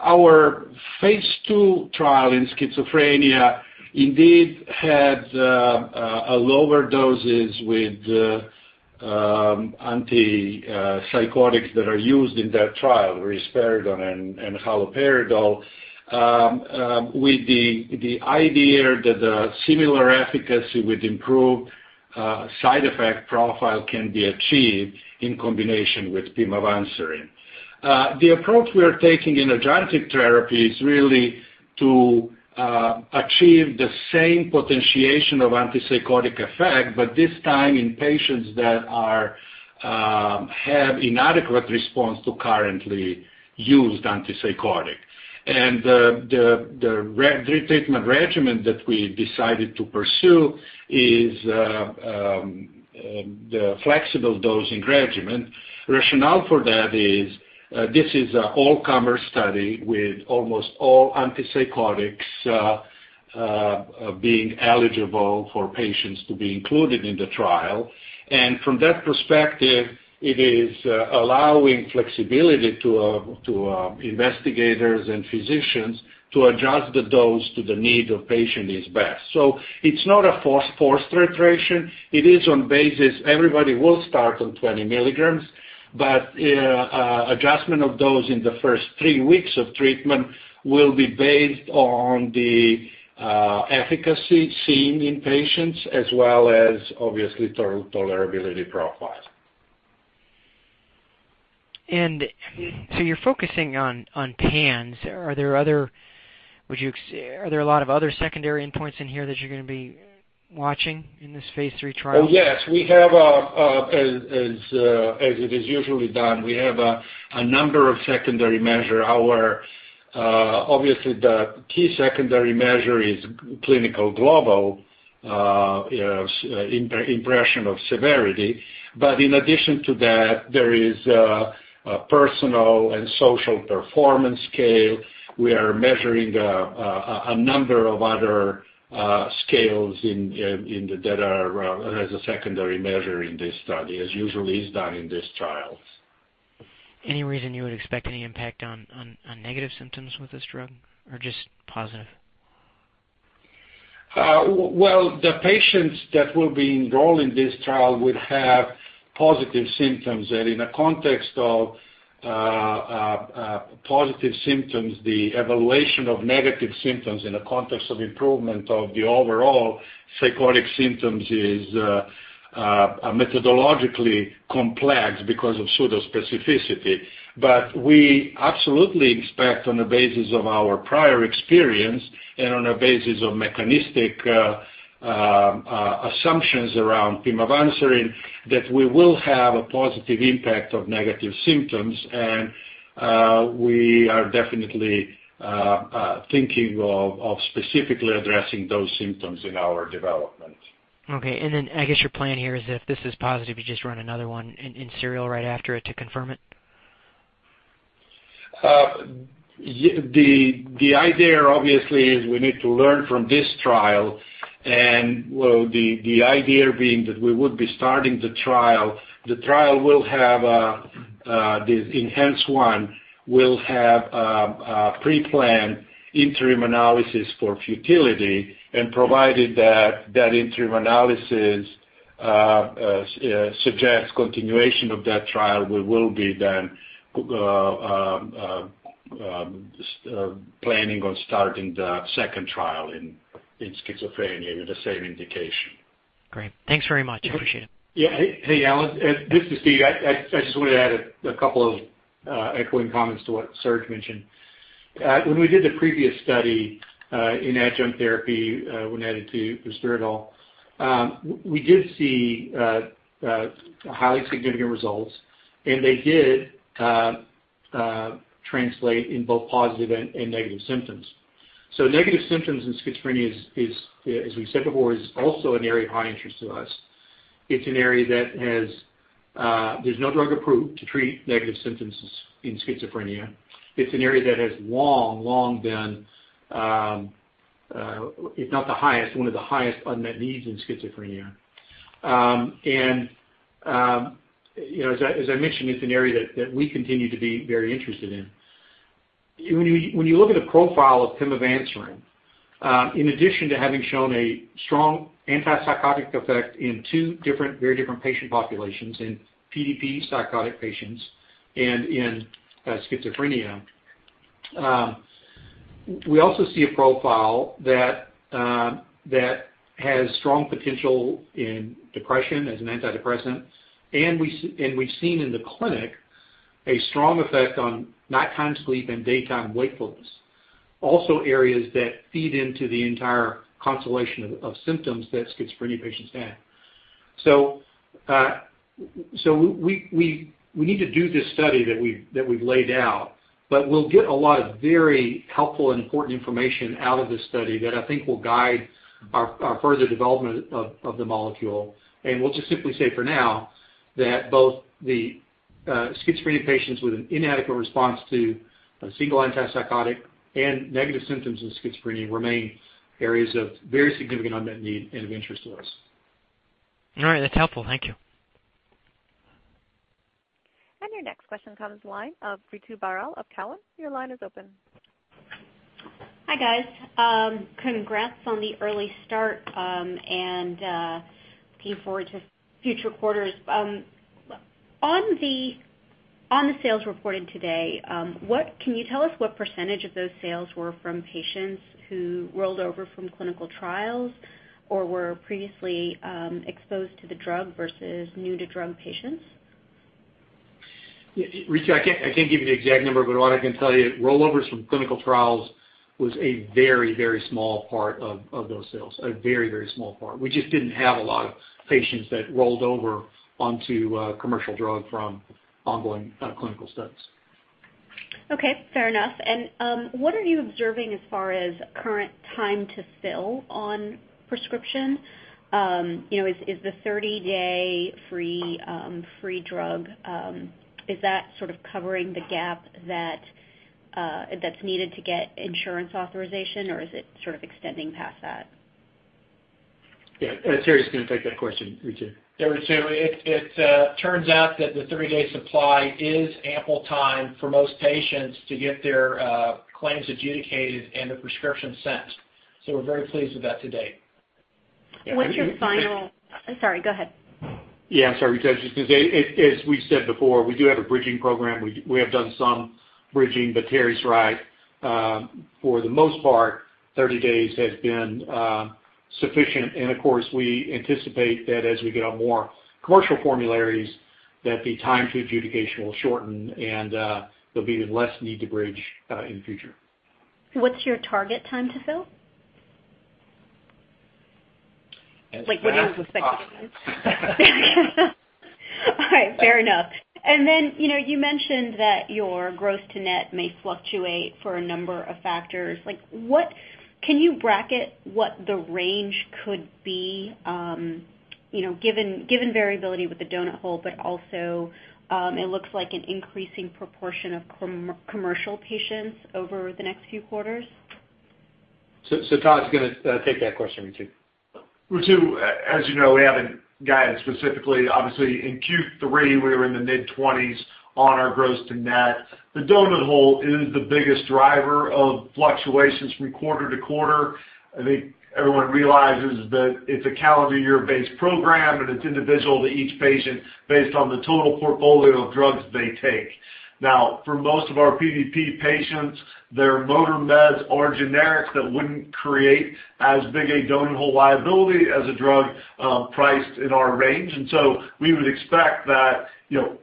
our phase II trial in schizophrenia indeed had lower doses with antipsychotics that are used in that trial, risperidone and haloperidol, with the idea that a similar efficacy with improved side effect profile can be achieved in combination with pimavanserin. The approach we are taking in adjunctive therapy is really to achieve the same potentiation of antipsychotic effect, but this time in patients that have inadequate response to currently used antipsychotic. The retreatment regimen that we decided to pursue is the flexible dosing regimen. Rationale for that is this is an all-comer study with almost all antipsychotics being eligible for patients to be included in the trial. From that perspective, it is allowing flexibility to investigators and physicians to adjust the dose to the need of patient is best. It's not a forced titration. It is on basis, everybody will start on 20 milligrams, but adjustment of dose in the first three weeks of treatment will be based on the efficacy seen in patients as well as obviously tolerability profile. You're focusing on PANSS. Are there a lot of other secondary endpoints in here that you're going to be watching in this phase III trial? Oh, yes. As it is usually done, we have a number of secondary measures. Obviously, the key secondary measure is clinical global impression of severity. In addition to that, there is a personal and social performance scale. We are measuring a number of other scales that are as a secondary measure in this study, as usually is done in these trials. Any reason you would expect any impact on negative symptoms with this drug or just positive? Well, the patients that will be enrolled in this trial will have positive symptoms. In the context of positive symptoms, the evaluation of negative symptoms in the context of improvement of the overall psychotic symptoms is methodologically complex because of pseudo-specificity. We absolutely expect, on the basis of our prior experience and on a basis of mechanistic assumptions around pimavanserin, that we will have a positive impact of negative symptoms, and we are definitely thinking of specifically addressing those symptoms in our development. Okay, I guess your plan here is if this is positive, you just run another one in serial right after it to confirm it? The idea obviously is we need to learn from this trial, and, well, the idea being that we would be starting the trial. The trial will have this ENHANCE-1 will have a pre-planned interim analysis for futility, and provided that that interim analysis suggests continuation of that trial, we will be then planning on starting the second trial in schizophrenia with the same indication. Great. Thanks very much. I appreciate it. Yeah. Hey, Alan. This is Steve. I just wanted to add a couple of echoing comments to what Serge mentioned. When we did the previous study in adjunct therapy, when added to risperidone, we did see highly significant results, and they did translate in both positive and negative symptoms. Negative symptoms in schizophrenia is, as we said before, is also an area of high interest to us. It's an area that there's no drug approved to treat negative symptoms in schizophrenia. It's an area that has long, long been, if not the highest, one of the highest unmet needs in schizophrenia. As I mentioned, it's an area that we continue to be very interested in. When you look at a profile of pimavanserin, in addition to having shown a strong antipsychotic effect in two very different patient populations, in PDP psychotic patients and in schizophrenia, we also see a profile that has strong potential in depression as an antidepressant. We've seen in the clinic a strong effect on nighttime sleep and daytime wakefulness. Also areas that feed into the entire constellation of symptoms that schizophrenia patients have. We need to do this study that we've laid out, but we'll get a lot of very helpful and important information out of this study that I think will guide our further development of the molecule. We'll just simply say for now that both the schizophrenia patients with an inadequate response to a single antipsychotic and negative symptoms of schizophrenia remain areas of very significant unmet need and of interest to us. All right. That's helpful. Thank you. Your next question comes to the line of Ritu Baral of Cowen. Your line is open. Hi, guys. Congrats on the early start and looking forward to future quarters. On the sales reported today, can you tell us what percentage of those sales were from patients who rolled over from clinical trials or were previously exposed to the drug versus new to drug patients? Yeah, Ritu, I can't give you the exact number, but what I can tell you, rollovers from clinical trials was a very small part of those sales. A very small part. We just didn't have a lot of patients that rolled over onto a commercial drug from ongoing clinical studies. Okay. Fair enough. What are you observing as far as current time to fill on prescription? Is the 30 day free drug, is that sort of covering the gap that's needed to get insurance authorization or is it sort of extending past that? Yeah. Terry's going to take that question, Ritu. Yeah, Ritu, it turns out that the 30 day supply is ample time for most patients to get their claims adjudicated and the prescription sent. We're very pleased with that to date. I'm sorry, go ahead. Yeah, sorry, Ritu. As we've said before, we do have a bridging program. We have done some bridging. Terry's right. For the most part, 30 days has been sufficient, and of course, we anticipate that as we get on more commercial formularies, that the time to adjudication will shorten and there'll be less need to bridge in the future. What's your target time to fill? Ask Todd. Like what do you expect it is? All right, fair enough. You mentioned that your gross to net may fluctuate for a number of factors. Can you bracket what the range could be given variability with the donut hole, but also it looks like an increasing proportion of commercial patients over the next few quarters? Todd's going to take that question, Ritu. Ritu, as you know, we haven't guided specifically. Obviously, in Q3, we were in the mid-20s on our gross to net. The donut hole is the biggest driver of fluctuations from quarter to quarter. I think everyone realizes that it's a calendar year based program, and it's individual to each patient based on the total portfolio of drugs they take. For most of our PDP patients, their lower meds are generics that wouldn't create as big a donut hole liability as a drug priced in our range. We would expect that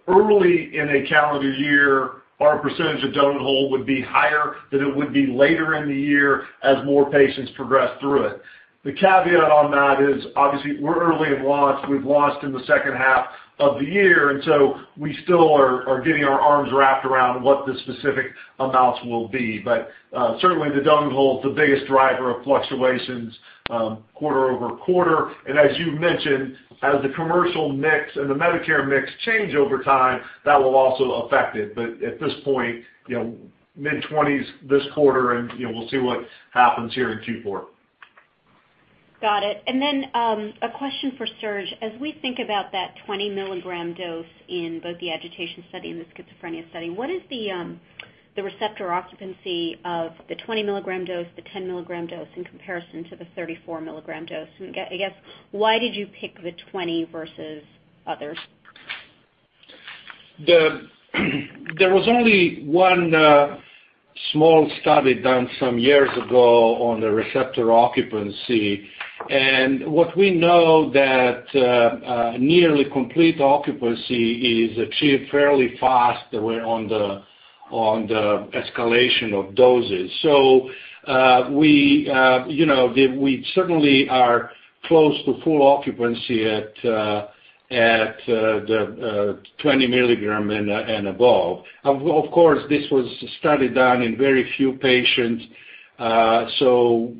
early in a calendar year, our % of donut hole would be higher than it would be later in the year as more patients progress through it. The caveat on that is obviously we're early in launch. We've launched in the second half of the year, we still are getting our arms wrapped around what the specific amounts will be. Certainly the donut hole is the biggest driver of fluctuations quarter over quarter. As you mentioned, as the commercial mix and the Medicare mix change over time, that will also affect it. At this point, mid-20s this quarter and we'll see what happens here in Q4. Got it. A question for Serge. As we think about that 20 milligram dose in both the agitation study and the schizophrenia study, what is the receptor occupancy of the 20 milligram dose, the 10 milligram dose in comparison to the 34 milligram dose? I guess why did you pick the 20 versus others? There was only one small study done some years ago on the receptor occupancy. What we know that nearly complete occupancy is achieved fairly fast on the escalation of doses. We certainly are close to full occupancy at the 20 milligram and above. Of course, this was a study done in very few patients, so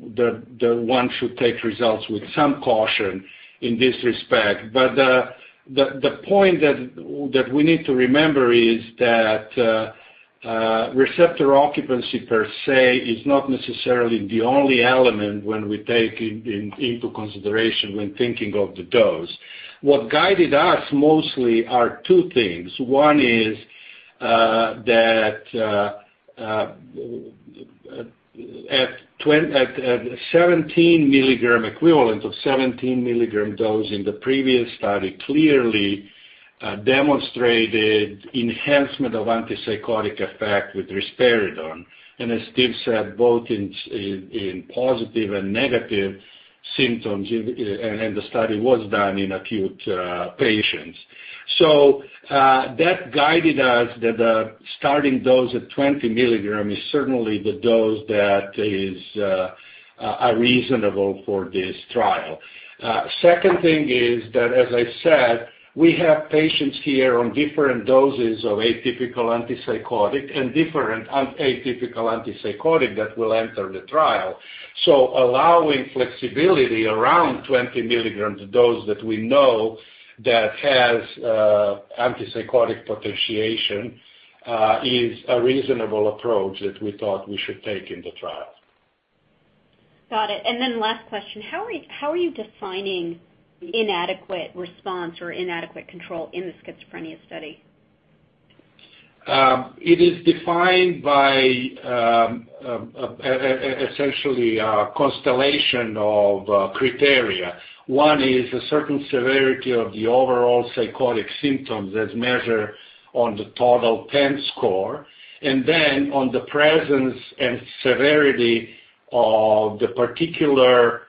one should take results with some caution in this respect. The point that we need to remember is that receptor occupancy per se is not necessarily the only element when we take into consideration when thinking of the dose. What guided us mostly are two things. One is that at 17 milligram equivalent, of 17 milligram dose in the previous study, clearly demonstrated enhancement of antipsychotic effect with risperidone, and as Steve said, both in positive and negative symptoms, and the study was done in acute patients. That guided us that the starting dose of 20 milligrams is certainly the dose that is reasonable for this trial. Second thing is that, as I said, we have patients here on different doses of atypical antipsychotic and different atypical antipsychotic that will enter the trial. Allowing flexibility around 20 milligrams dose that we know that has antipsychotic potentiation, is a reasonable approach that we thought we should take in the trial. Got it. Last question, how are you defining inadequate response or inadequate control in the schizophrenia study? It is defined by essentially a constellation of criteria. One is a certain severity of the overall psychotic symptoms as measured on the total 10 score. On the presence and severity of the particular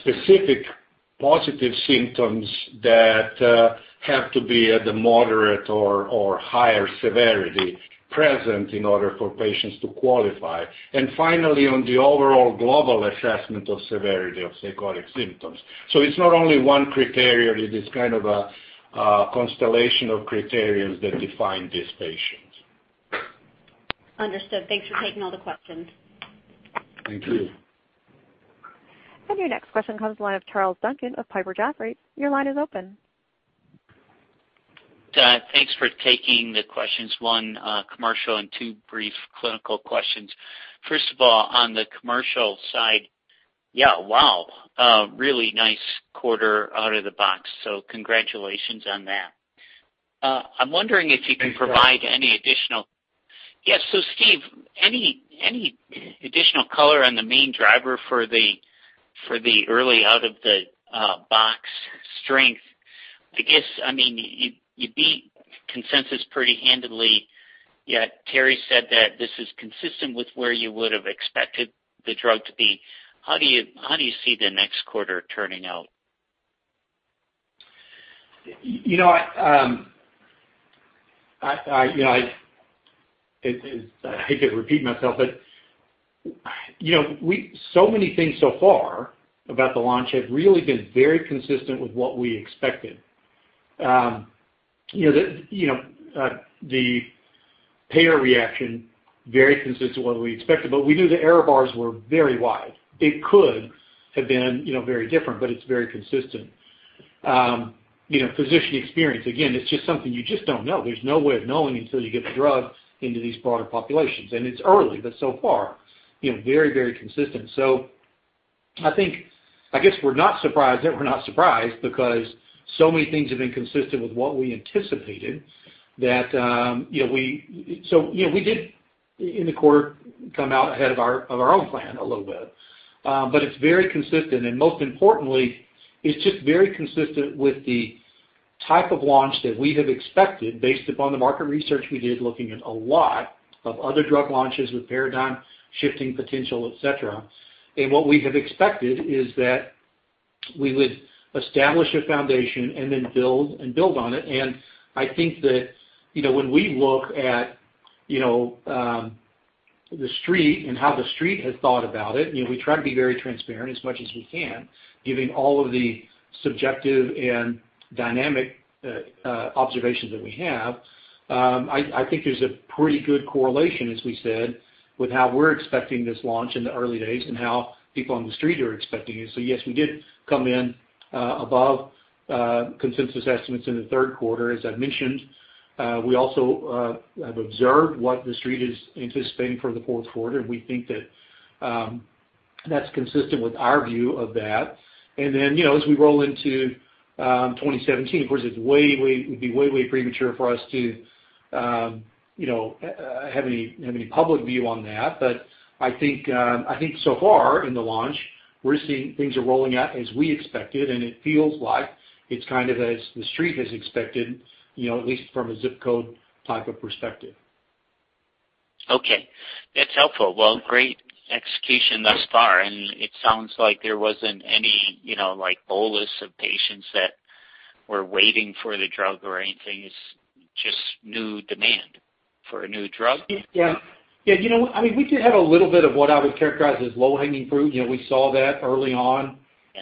specific positive symptoms that have to be at the moderate or higher severity present in order for patients to qualify. Finally, on the overall global assessment of severity of psychotic symptoms. It's not only one criteria, it is kind of a constellation of criteria that define these patients. Understood. Thanks for taking all the questions. Thank you. Your next question comes the line of Charles Duncan of Piper Jaffray. Your line is open. Thanks for taking the questions. One commercial and two brief clinical questions. First of all, on the commercial side, yeah, wow. A really nice quarter out of the box, so congratulations on that. Thanks, Charles. Yes. Steve, any additional color on the main driver for the early out-of-the-box strength? I guess, you beat consensus pretty handily, yet Terry said that this is consistent with where you would have expected the drug to be. How do you see the next quarter turning out? I hate to repeat myself, so many things so far about the launch have really been very consistent with what we expected. The payer reaction, very consistent with what we expected, we knew the error bars were very wide. It could have been very different, it's very consistent. Physician experience, again, it's just something you just don't know. There's no way of knowing until you get the drug into these broader populations. It's early, but so far, very consistent. I think, I guess we're not surprised that we're not surprised because so many things have been consistent with what we anticipated. We did, in the quarter, come out ahead of our own plan a little bit. It's very consistent. Most importantly, it's just very consistent with the type of launch that we have expected based upon the market research we did, looking at a lot of other drug launches with paradigm-shifting potential, et cetera. What we have expected is that we would establish a foundation and then build on it. I think that when we look at the Street and how the Street has thought about it, we try to be very transparent as much as we can, giving all of the subjective and dynamic observations that we have. I think there's a pretty good correlation, as we said, with how we're expecting this launch in the early days and how people on the Street are expecting it. Yes, we did come in above consensus estimates in the third quarter. As I mentioned, we also have observed what the Street is anticipating for the fourth quarter, and we think that's consistent with our view of that. As we roll into 2017, of course, it would be way premature for us to have any public view on that. I think so far in the launch, we're seeing things are rolling out as we expected, and it feels like it's kind of as the Street has expected, at least from a ZIP code type of perspective. Okay. That's helpful. Well, great execution thus far, it sounds like there wasn't any bolus of patients that were waiting for the drug or anything. It's just new demand for a new drug. Yeah. We did have a little bit of what I would characterize as low-hanging fruit. We saw that early on.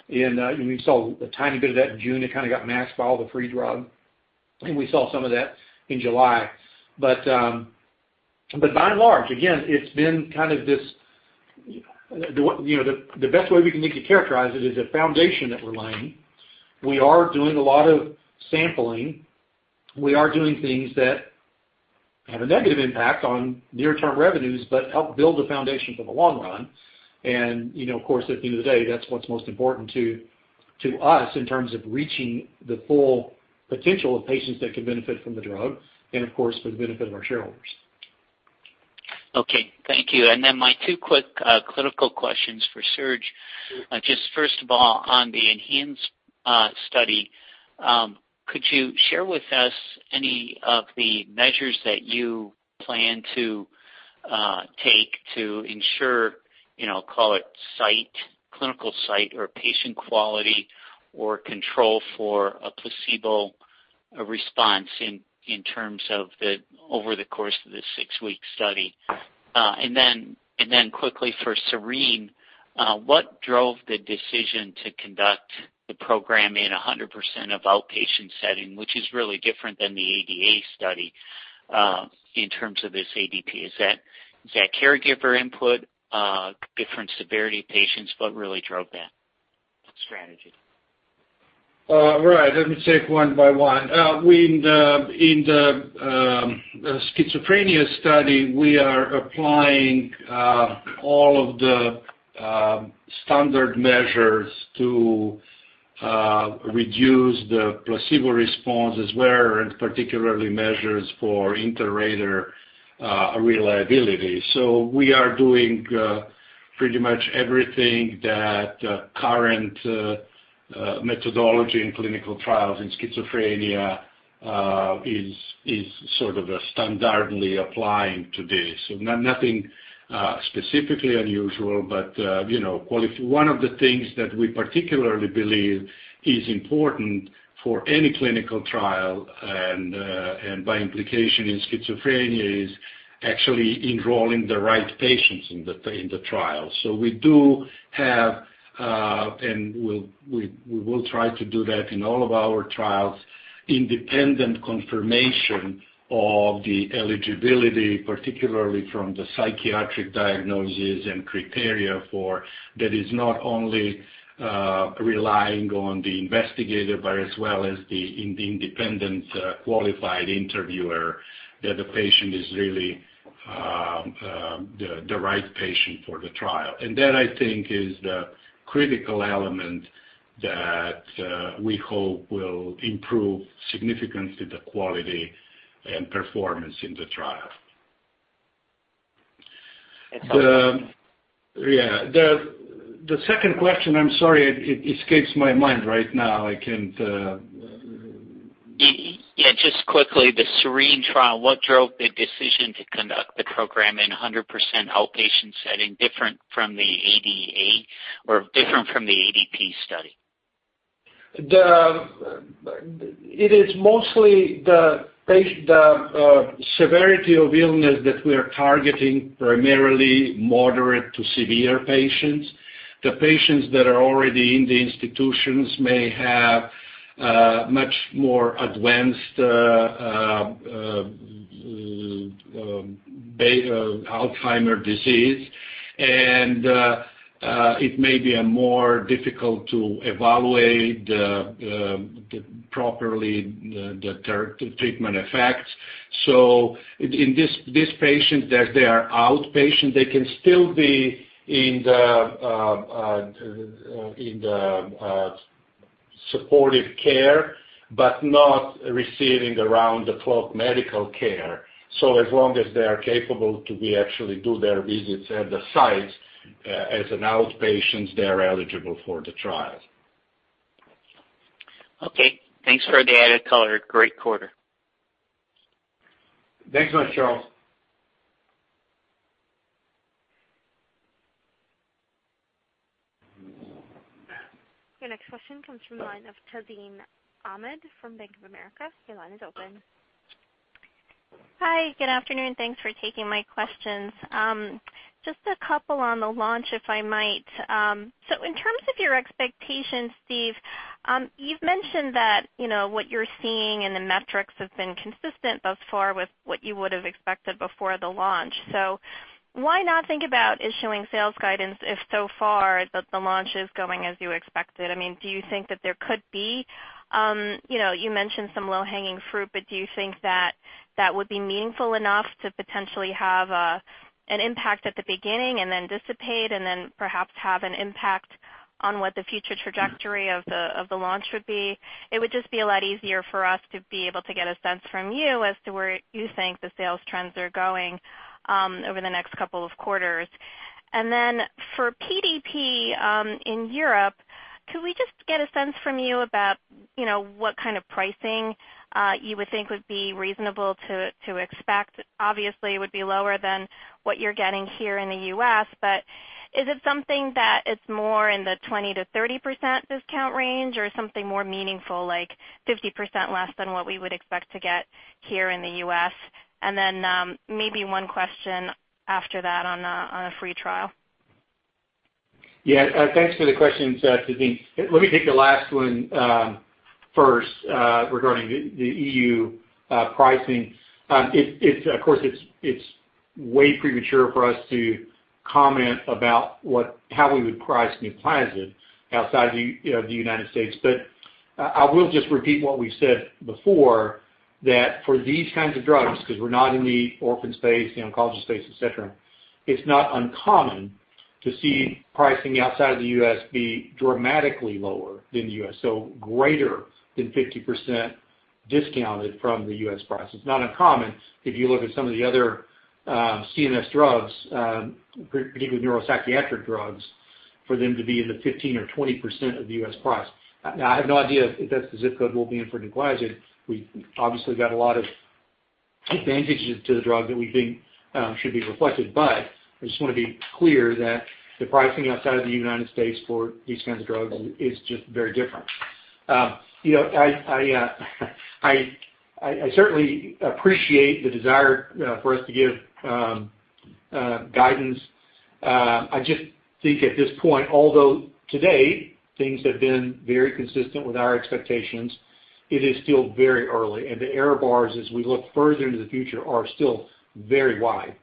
Yeah. We saw a tiny bit of that in June. It kind of got masked by all the free drug. We saw some of that in July. By and large, again, it's been kind of this. The best way we can need to characterize it is a foundation that we're laying. We are doing a lot of sampling. We are doing things that have a negative impact on near-term revenues, but help build a foundation for the long run. Of course, at the end of the day, that's what's most important to us in terms of reaching the full potential of patients that can benefit from the drug and of course, for the benefit of our shareholders. Okay. Thank you. My two quick clinical questions for Serge. First of all, on the ENHANCE study, could you share with us any of the measures that you plan to take to ensure, call it clinical site or patient quality or control for a placebo response in terms of over the course of the 6-week study? Quickly for SERENE, what drove the decision to conduct the program in 100% of outpatient setting, which is really different than the ADA study in terms of this ADP? Is that caregiver input, different severity patients? What really drove that strategy? Right. Let me take one by one. In the schizophrenia study, we are applying all of the standard measures to reduce the placebo response as well, particularly measures for inter-rater reliability. We are doing pretty much everything that current methodology in clinical trials in schizophrenia is sort of standardly applying to this. Nothing specifically unusual, but one of the things that we particularly believe is important for any clinical trial, by implication in schizophrenia, is actually enrolling the right patients in the trial. We do have, and we will try to do that in all of our trials, independent confirmation of the eligibility, particularly from the psychiatric diagnoses and criteria for that is not only relying on the investigator, but as well as the independent qualified interviewer, that the patient is really the right patient for the trial. That, I think, is the critical element that we hope will improve significantly the quality and performance in the trial. That's all. Yeah. The second question, I'm sorry, it escapes my mind right now. I can't Yeah, just quickly, the SERENE trial, what drove the decision to conduct the program in 100% outpatient setting different from the ADA or different from the ADP study? It is mostly the severity of illness that we're targeting, primarily moderate to severe patients. The patients that are already in the institutions may have much more advanced Alzheimer's disease, and it may be more difficult to evaluate properly the treatment effects. In this patient, they are outpatient. They can still be in the supportive care, but not receiving around-the-clock medical care. As long as they are capable to actually do their visits at the sites as an outpatient, they are eligible for the trial. Okay. Thanks for the added color. Great quarter. Thanks a lot, Charles. Your next question comes from the line of Tazeen Ahmad from Bank of America. Your line is open. Hi, good afternoon. Thanks for taking my questions. Just a couple on the launch, if I might. In terms of your expectations, Steve, you've mentioned that what you're seeing in the metrics has been consistent thus far with what you would have expected before the launch. Why not think about issuing sales guidance if so far the launch is going as you expected? Do you think that you mentioned some low-hanging fruit, but do you think that that would be meaningful enough to potentially have an impact at the beginning and then dissipate, and then perhaps have an impact on what the future trajectory of the launch would be? It would just be a lot easier for us to be able to get a sense from you as to where you think the sales trends are going over the next couple of quarters. For PDP in Europe, could we just get a sense from you about what kind of pricing you would think would be reasonable to expect? Obviously, it would be lower than what you're getting here in the U.S., but is it something that it's more in the 20%-30% discount range or something more meaningful, like 50% less than what we would expect to get here in the U.S.? Maybe one question after that on a free trial. Yeah. Thanks for the questions, Tazeen. Let me take the last one first, regarding the EU pricing. Of course, it's way premature for us to comment about how we would price NUPLAZID outside the United States. I will just repeat what we've said before, that for these kinds of drugs, because we're not in the orphan space, the oncology space, et cetera, it's not uncommon to see pricing outside of the U.S. be dramatically lower than the U.S. So greater than 50% discounted from the U.S. price. It's not uncommon if you look at some of the other CNS drugs, particularly neuropsychiatric drugs, for them to be in the 15% or 20% of the U.S. price. Now, I have no idea if that's the ZIP code we'll be in for NUPLAZID. We've obviously got a lot of advantages to the drug that we think should be reflected, but I just want to be clear that the pricing outside of the United States for these kinds of drugs is just very different. I certainly appreciate the desire for us to give guidance. I just think at this point, although today things have been very consistent with our expectations, it is still very early, and the error bars, as we look further into the future, are still very wide.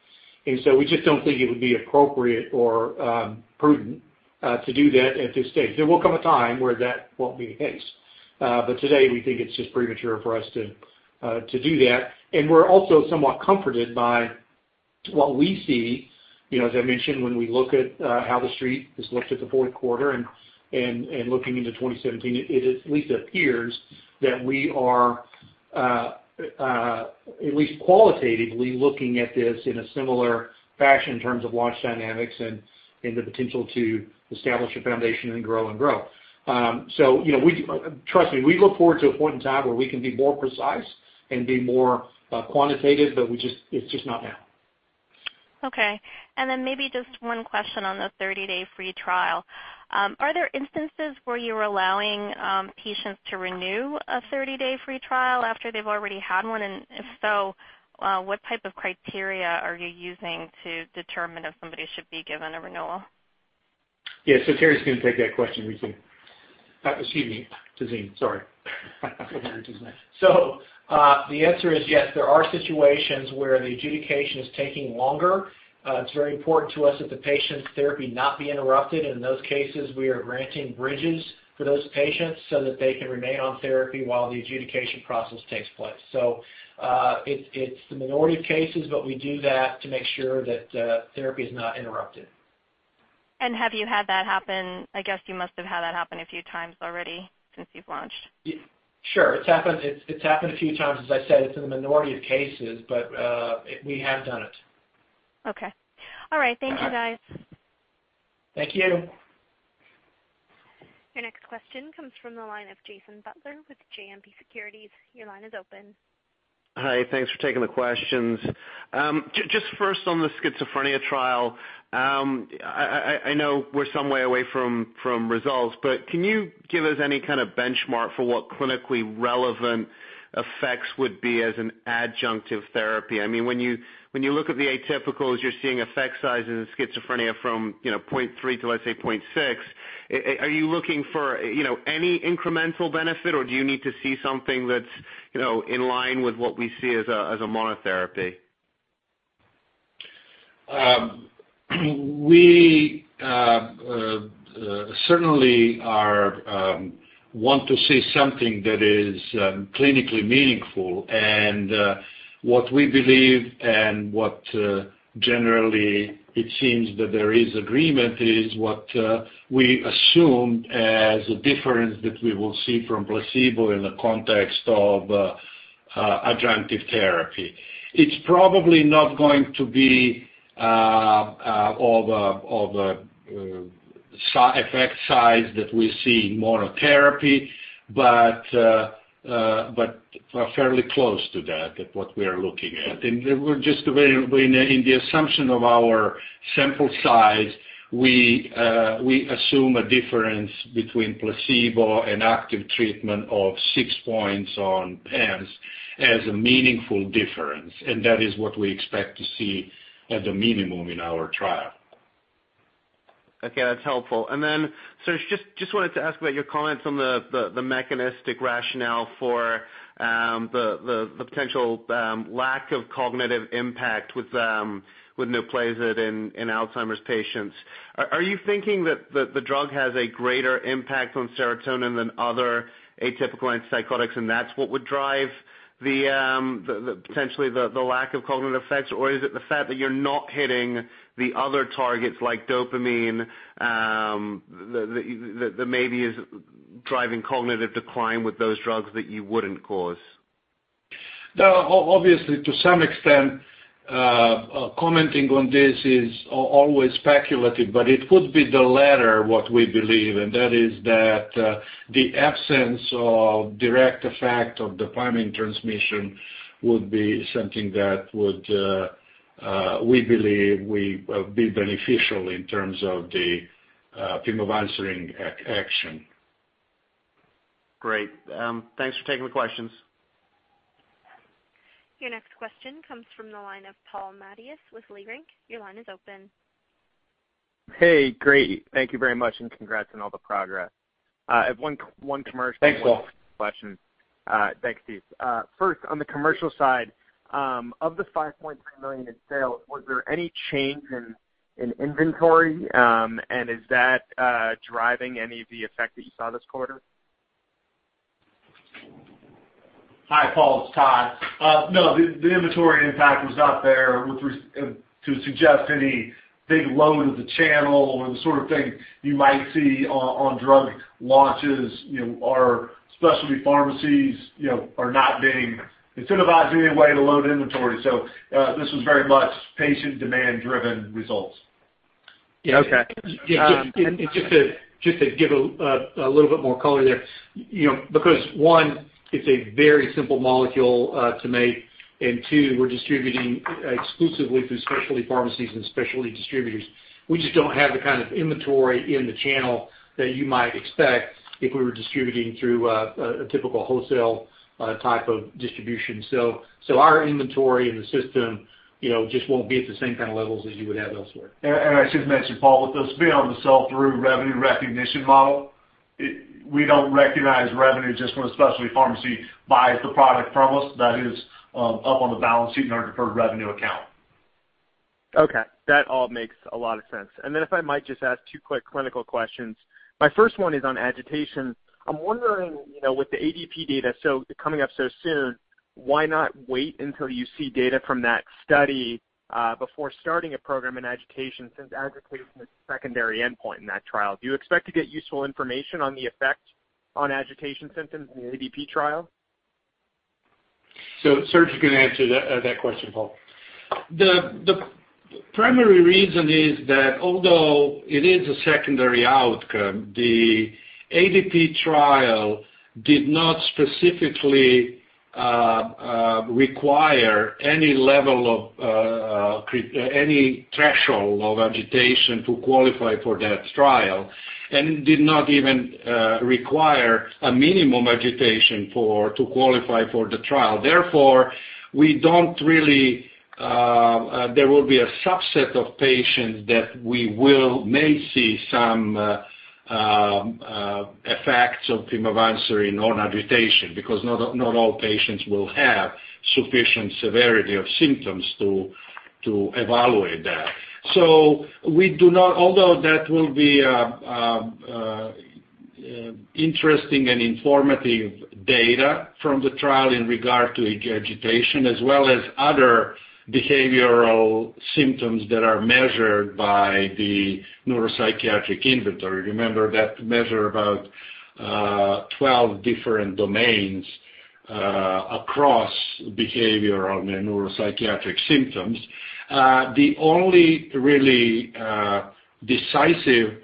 We just don't think it would be appropriate or prudent to do that at this stage. There will come a time where that won't be the case. Today, we think it's just premature for us to do that, and we're also somewhat comforted by what we see. As I mentioned, when we look at how the Street has looked at the fourth quarter and looking into 2017, it at least appears that we are at least qualitatively looking at this in a similar fashion in terms of launch dynamics and the potential to establish a foundation and grow and grow. Trust me, we look forward to a point in time where we can be more precise and be more quantitative, it's just not now. Okay. Maybe just one question on the 30-day free trial. Are there instances where you're allowing patients to renew a 30-day free trial after they've already had one? If so, what type of criteria are you using to determine if somebody should be given a renewal? Yeah. Terry's going to take that question, we can Excuse me, Tazeen. Sorry. I forgot your name. The answer is yes, there are situations where the adjudication is taking longer. It's very important to us that the patient's therapy not be interrupted. In those cases, we are granting bridges for those patients so that they can remain on therapy while the adjudication process takes place. It's the minority of cases, but we do that to make sure that therapy is not interrupted. Have you had that happen? I guess you must have had that happen a few times already since you've launched. Sure. It's happened a few times. As I said, it's in the minority of cases, but we have done it. Okay. All right. Thank you, guys. Thank you. Your next question comes from the line of Jason Butler with JMP Securities. Your line is open. Hi. Thanks for taking the questions. Just first on the schizophrenia trial. I know we're some way away from results, but can you give us any kind of benchmark for what clinically relevant effects would be as an adjunctive therapy? When you look at the atypicals, you're seeing effect sizes in schizophrenia from 0.3 to, let's say, 0.6. Are you looking for any incremental benefit, or do you need to see something that's in line with what we see as a monotherapy? What we believe and what generally it seems that there is agreement is what we assume as a difference that we will see from placebo in the context of adjunctive therapy. It's probably not going to be of effect size that we see in monotherapy, but fairly close to that at what we are looking at. In the assumption of our sample size, we assume a difference between placebo and active treatment of 6 points on PANSS as a meaningful difference, and that is what we expect to see at the minimum in our trial. Okay. That's helpful. Then, Serge, just wanted to ask about your comments on the mechanistic rationale for the potential lack of cognitive impact with NUPLAZID in Alzheimer's patients. Are you thinking that the drug has a greater impact on serotonin than other atypical antipsychotics, and that's what would drive potentially the lack of cognitive effects? Or is it the fact that you're not hitting the other targets like dopamine, that maybe is driving cognitive decline with those drugs that you wouldn't cause? Obviously, to some extent, commenting on this is always speculative, but it could be the latter, what we believe, and that is that the absence of direct effect of dopamine transmission would be something that would, we believe, will be beneficial in terms of the pimavanserin action. Great. Thanks for taking the questions. Your next question comes from the line of Paul Matteis with Leerink. Your line is open. Hey, great. Thank you very much. Congrats on all the progress. I have one commercial- Thanks, Paul One question. Thanks, Steve. First, on the commercial side, of the $5.3 million in sales, was there any change in inventory? Is that driving any of the effect that you saw this quarter? Hi, Paul, it's Todd. No, the inventory impact was not there to suggest any big load of the channel or the sort of thing you might see on drug launches. Our specialty pharmacies are not being incentivized in any way to load inventory. This was very much patient demand driven results. Yeah. Okay. Just to give a little bit more color there, because one, it's a very simple molecule to make, and two, we're distributing exclusively through specialty pharmacies and specialty distributors. We just don't have the kind of inventory in the channel that you might expect if we were distributing through a typical wholesale type of distribution. Our inventory in the system just won't be at the same kind of levels as you would have elsewhere. I should mention, Paul, with us being on the sell-through revenue recognition model, we don't recognize revenue just when a specialty pharmacy buys the product from us. That is up on the balance sheet in our deferred revenue account. Okay. That all makes a lot of sense. If I might just ask two quick clinical questions. My first one is on agitation. I'm wondering, with the ADP data coming up so soon, why not wait until you see data from that study before starting a program in agitation, since agitation is a secondary endpoint in that trial? Do you expect to get useful information on the effect on agitation symptoms in the ADP trial? Serge can answer that question, Paul. The primary reason is that although it is a secondary outcome, the ADP trial did not specifically require any threshold of agitation to qualify for that trial and did not even require a minimum agitation to qualify for the trial. Therefore, there will be a subset of patients that we may see some effects of pimavanserin on agitation because not all patients will have sufficient severity of symptoms to evaluate that. Although that will be interesting and informative data from the trial in regard to agitation as well as other behavioral symptoms that are measured by the neuropsychiatric inventory. Remember that measure about 12 different domains across behavioral neuropsychiatric symptoms. The only really decisive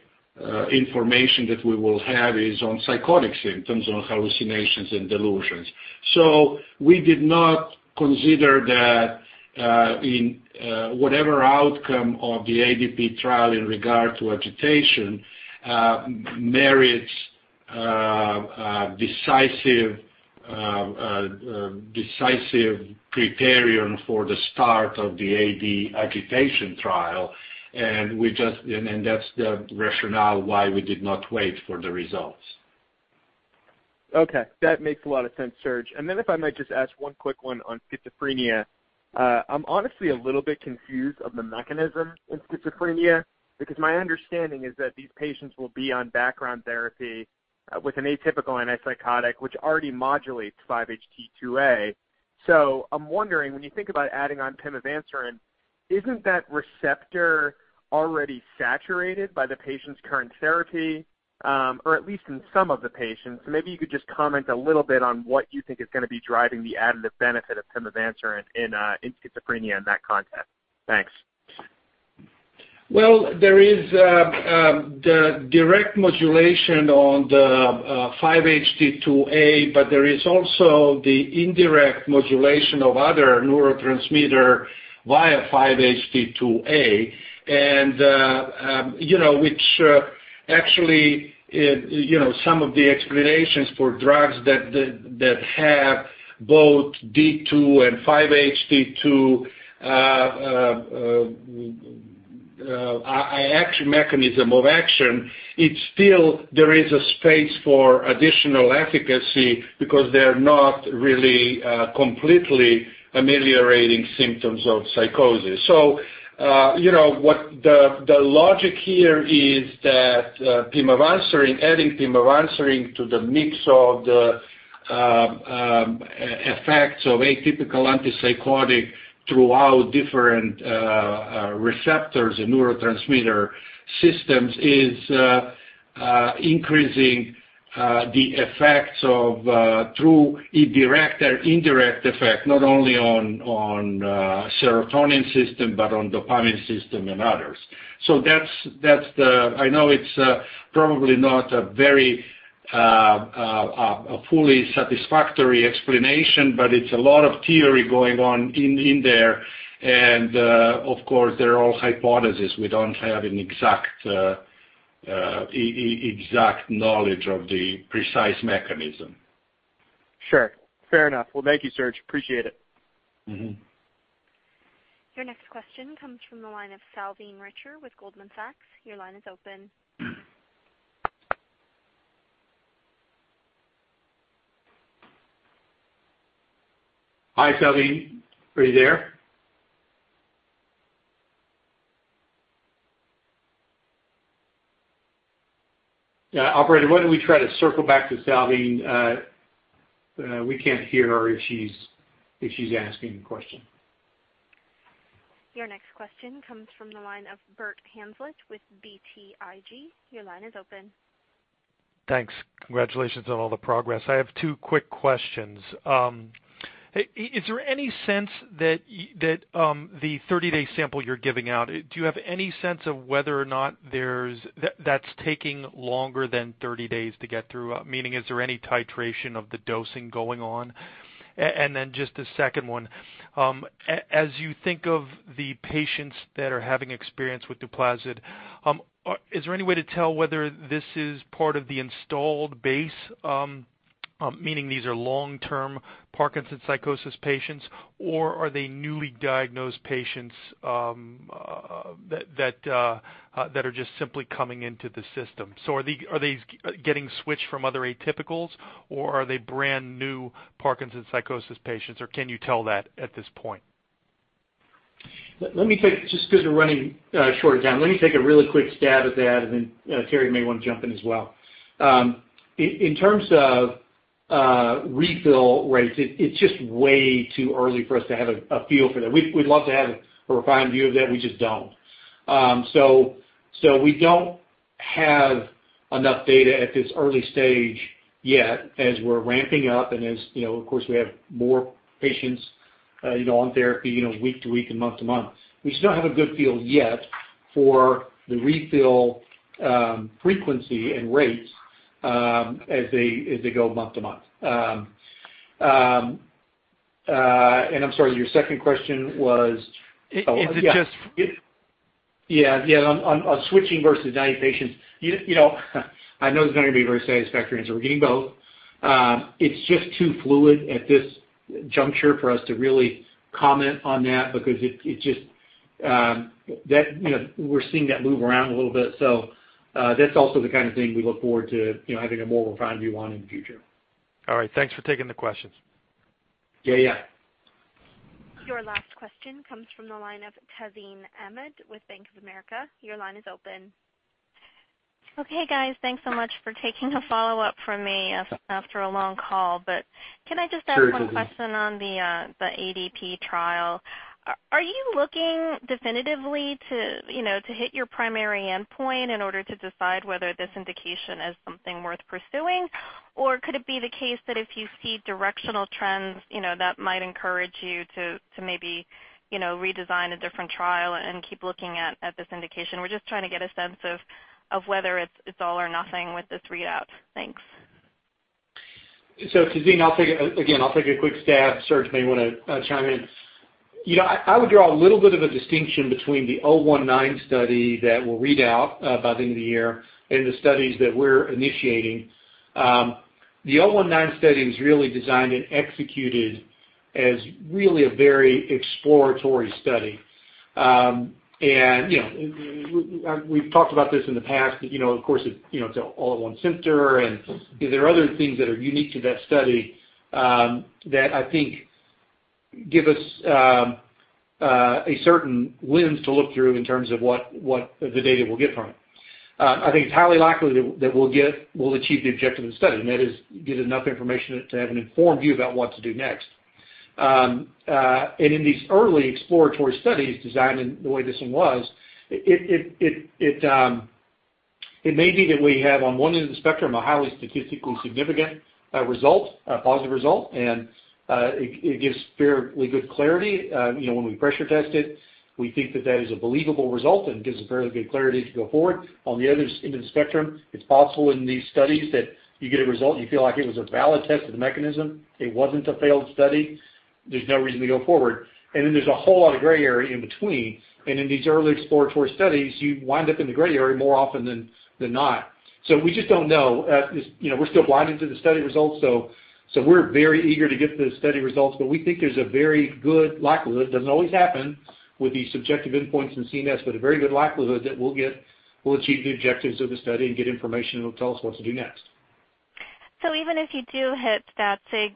information that we will have is on psychotic symptoms, on hallucinations and delusions. We did not consider that in whatever outcome of the ADP trial in regard to agitation merits decisive criterion for the start of the AD agitation trial. That's the rationale why we did not wait for the results. Okay. That makes a lot of sense, Serge. If I might just ask one quick one on schizophrenia. I'm honestly a little bit confused of the mechanism in schizophrenia because my understanding is that these patients will be on background therapy with an atypical antipsychotic, which already modulates 5-HT2A. I'm wondering, when you think about adding on pimavanserin, isn't that receptor already saturated by the patient's current therapy? Or at least in some of the patients. Maybe you could just comment a little bit on what you think is going to be driving the additive benefit of pimavanserin in schizophrenia in that context. Thanks. Well, there is the direct modulation on the 5-HT2A, but there is also the indirect modulation of other neurotransmitter via 5-HT2A. Which actually some of the explanations for drugs that have both D2 and 5-HT2 mechanism of action, it's still there is a space for additional efficacy because they're not really completely ameliorating symptoms of psychosis. The logic here is that adding pimavanserin to the mix of the effects of atypical antipsychotic throughout different receptors and neurotransmitter systems is increasing the effects through a direct or indirect effect, not only on serotonin system but on dopamine system and others. I know it's probably not a fully satisfactory explanation, but it's a lot of theory going on in there. Of course, they're all hypothesis. We don't have an exact Exact knowledge of the precise mechanism. Sure. Fair enough. Well, thank you, Serge. Appreciate it. Your next question comes from the line of Salveen Richter with Goldman Sachs. Your line is open. Hi, Salveen. Are you there? Operator, why don't we try to circle back to Salveen? We can't hear her if she's asking a question. Your next question comes from the line of Bert Hazlett with BTIG. Your line is open. Thanks. Congratulations on all the progress. I have 2 quick questions. Is there any sense that the 30-day sample you're giving out, do you have any sense of whether or not that's taking longer than 30 days to get through? Meaning, is there any titration of the dosing going on? Then just a second one. As you think of the patients that are having experience with NUPLAZID, is there any way to tell whether this is part of the installed base, meaning these are long-term Parkinson's psychosis patients, or are they newly diagnosed patients that are just simply coming into the system? Are these getting switched from other atypicals, or are they brand-new Parkinson's psychosis patients, or can you tell that at this point? Just because we're running short on time, let me take a really quick stab at that, then Terry may want to jump in as well. In terms of refill rates, it's just way too early for us to have a feel for that. We'd love to have a refined view of that, we just don't. We don't have enough data at this early stage yet as we're ramping up and as of course we have more patients on therapy week to week and month to month. We just don't have a good feel yet for the refill frequency and rates as they go month to month. I'm sorry, your second question was. Is it just? Yeah. On switching versus [dying] patients. I know this is not going to be a very satisfactory answer. We're getting both. It's just too fluid at this juncture for us to really comment on that because we're seeing that move around a little bit. That's also the kind of thing we look forward to having a more refined view on in the future. All right. Thanks for taking the questions. Yeah. Your last question comes from the line of Tazeen Ahmad with Bank of America. Your line is open. Okay, guys. Thanks so much for taking a follow-up from me after a long call. Can I just ask one question? Sure. Mm-hmm. On the ADP trial? Are you looking definitively to hit your primary endpoint in order to decide whether this indication is something worth pursuing? Could it be the case that if you see directional trends, that might encourage you to maybe redesign a different trial and keep looking at this indication? We're just trying to get a sense of whether it's all or nothing with this readout. Thanks. Tazeen, again, I'll take a quick stab. Serge may want to chime in. I would draw a little bit of a distinction between the 019 study that we'll read out by the end of the year and the studies that we're initiating. The 019 study was really designed and executed as really a very exploratory study. We've talked about this in the past. Of course, it's all at one center, and there are other things that are unique to that study that I think give us a certain lens to look through in terms of what the data we'll get from it. I think it's highly likely that we'll achieve the objective of the study, and that is get enough information to have an informed view about what to do next. In these early exploratory studies designed in the way this one was, it may be that we have, on one end of the spectrum, a highly statistically significant result, a positive result, and it gives fairly good clarity. When we pressure test it, we think that that is a believable result and gives a fairly good clarity to go forward. On the other end of the spectrum, it's possible in these studies that you get a result, and you feel like it was a valid test of the mechanism. It wasn't a failed study. There's no reason to go forward. Then there's a whole lot of gray area in between. In these early exploratory studies, you wind up in the gray area more often than not. We just don't know. We're still blinded to the study results. We're very eager to get the study results, but we think there's a very good likelihood, doesn't always happen with the subjective endpoints in CNS, but a very good likelihood that we'll achieve the objectives of the study and get information that will tell us what to do next. Even if you do hit that big,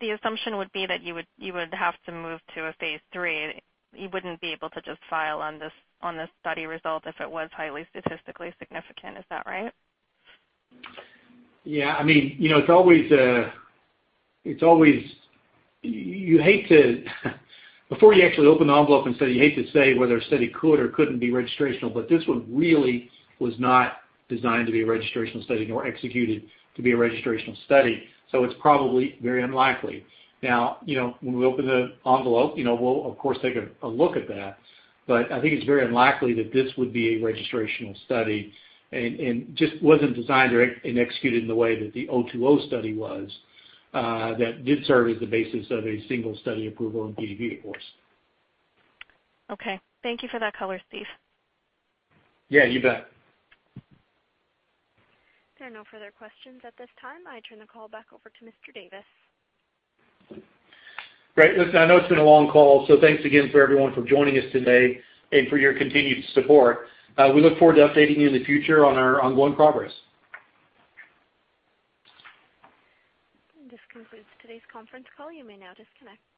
the assumption would be that you would have to move to a phase III. You wouldn't be able to just file on the study result if it was highly statistically significant. Is that right? Yeah. Before you actually open the envelope and study, you hate to say whether a study could or couldn't be registrational, but this one really was not designed to be a registrational study, nor executed to be a registrational study. It's probably very unlikely. When we open the envelope, we'll of course take a look at that, but I think it's very unlikely that this would be a registrational study, and just wasn't designed and executed in the way that the 020 study was that did serve as the basis of a single study approval in PD, of course. Okay. Thank you for that color, Steve. Yeah, you bet. There are no further questions at this time. I turn the call back over to Mr. Davis. Great. Listen, I know it's been a long call, thanks again for everyone for joining us today and for your continued support. We look forward to updating you in the future on our ongoing progress. This concludes today's conference call. You may now disconnect.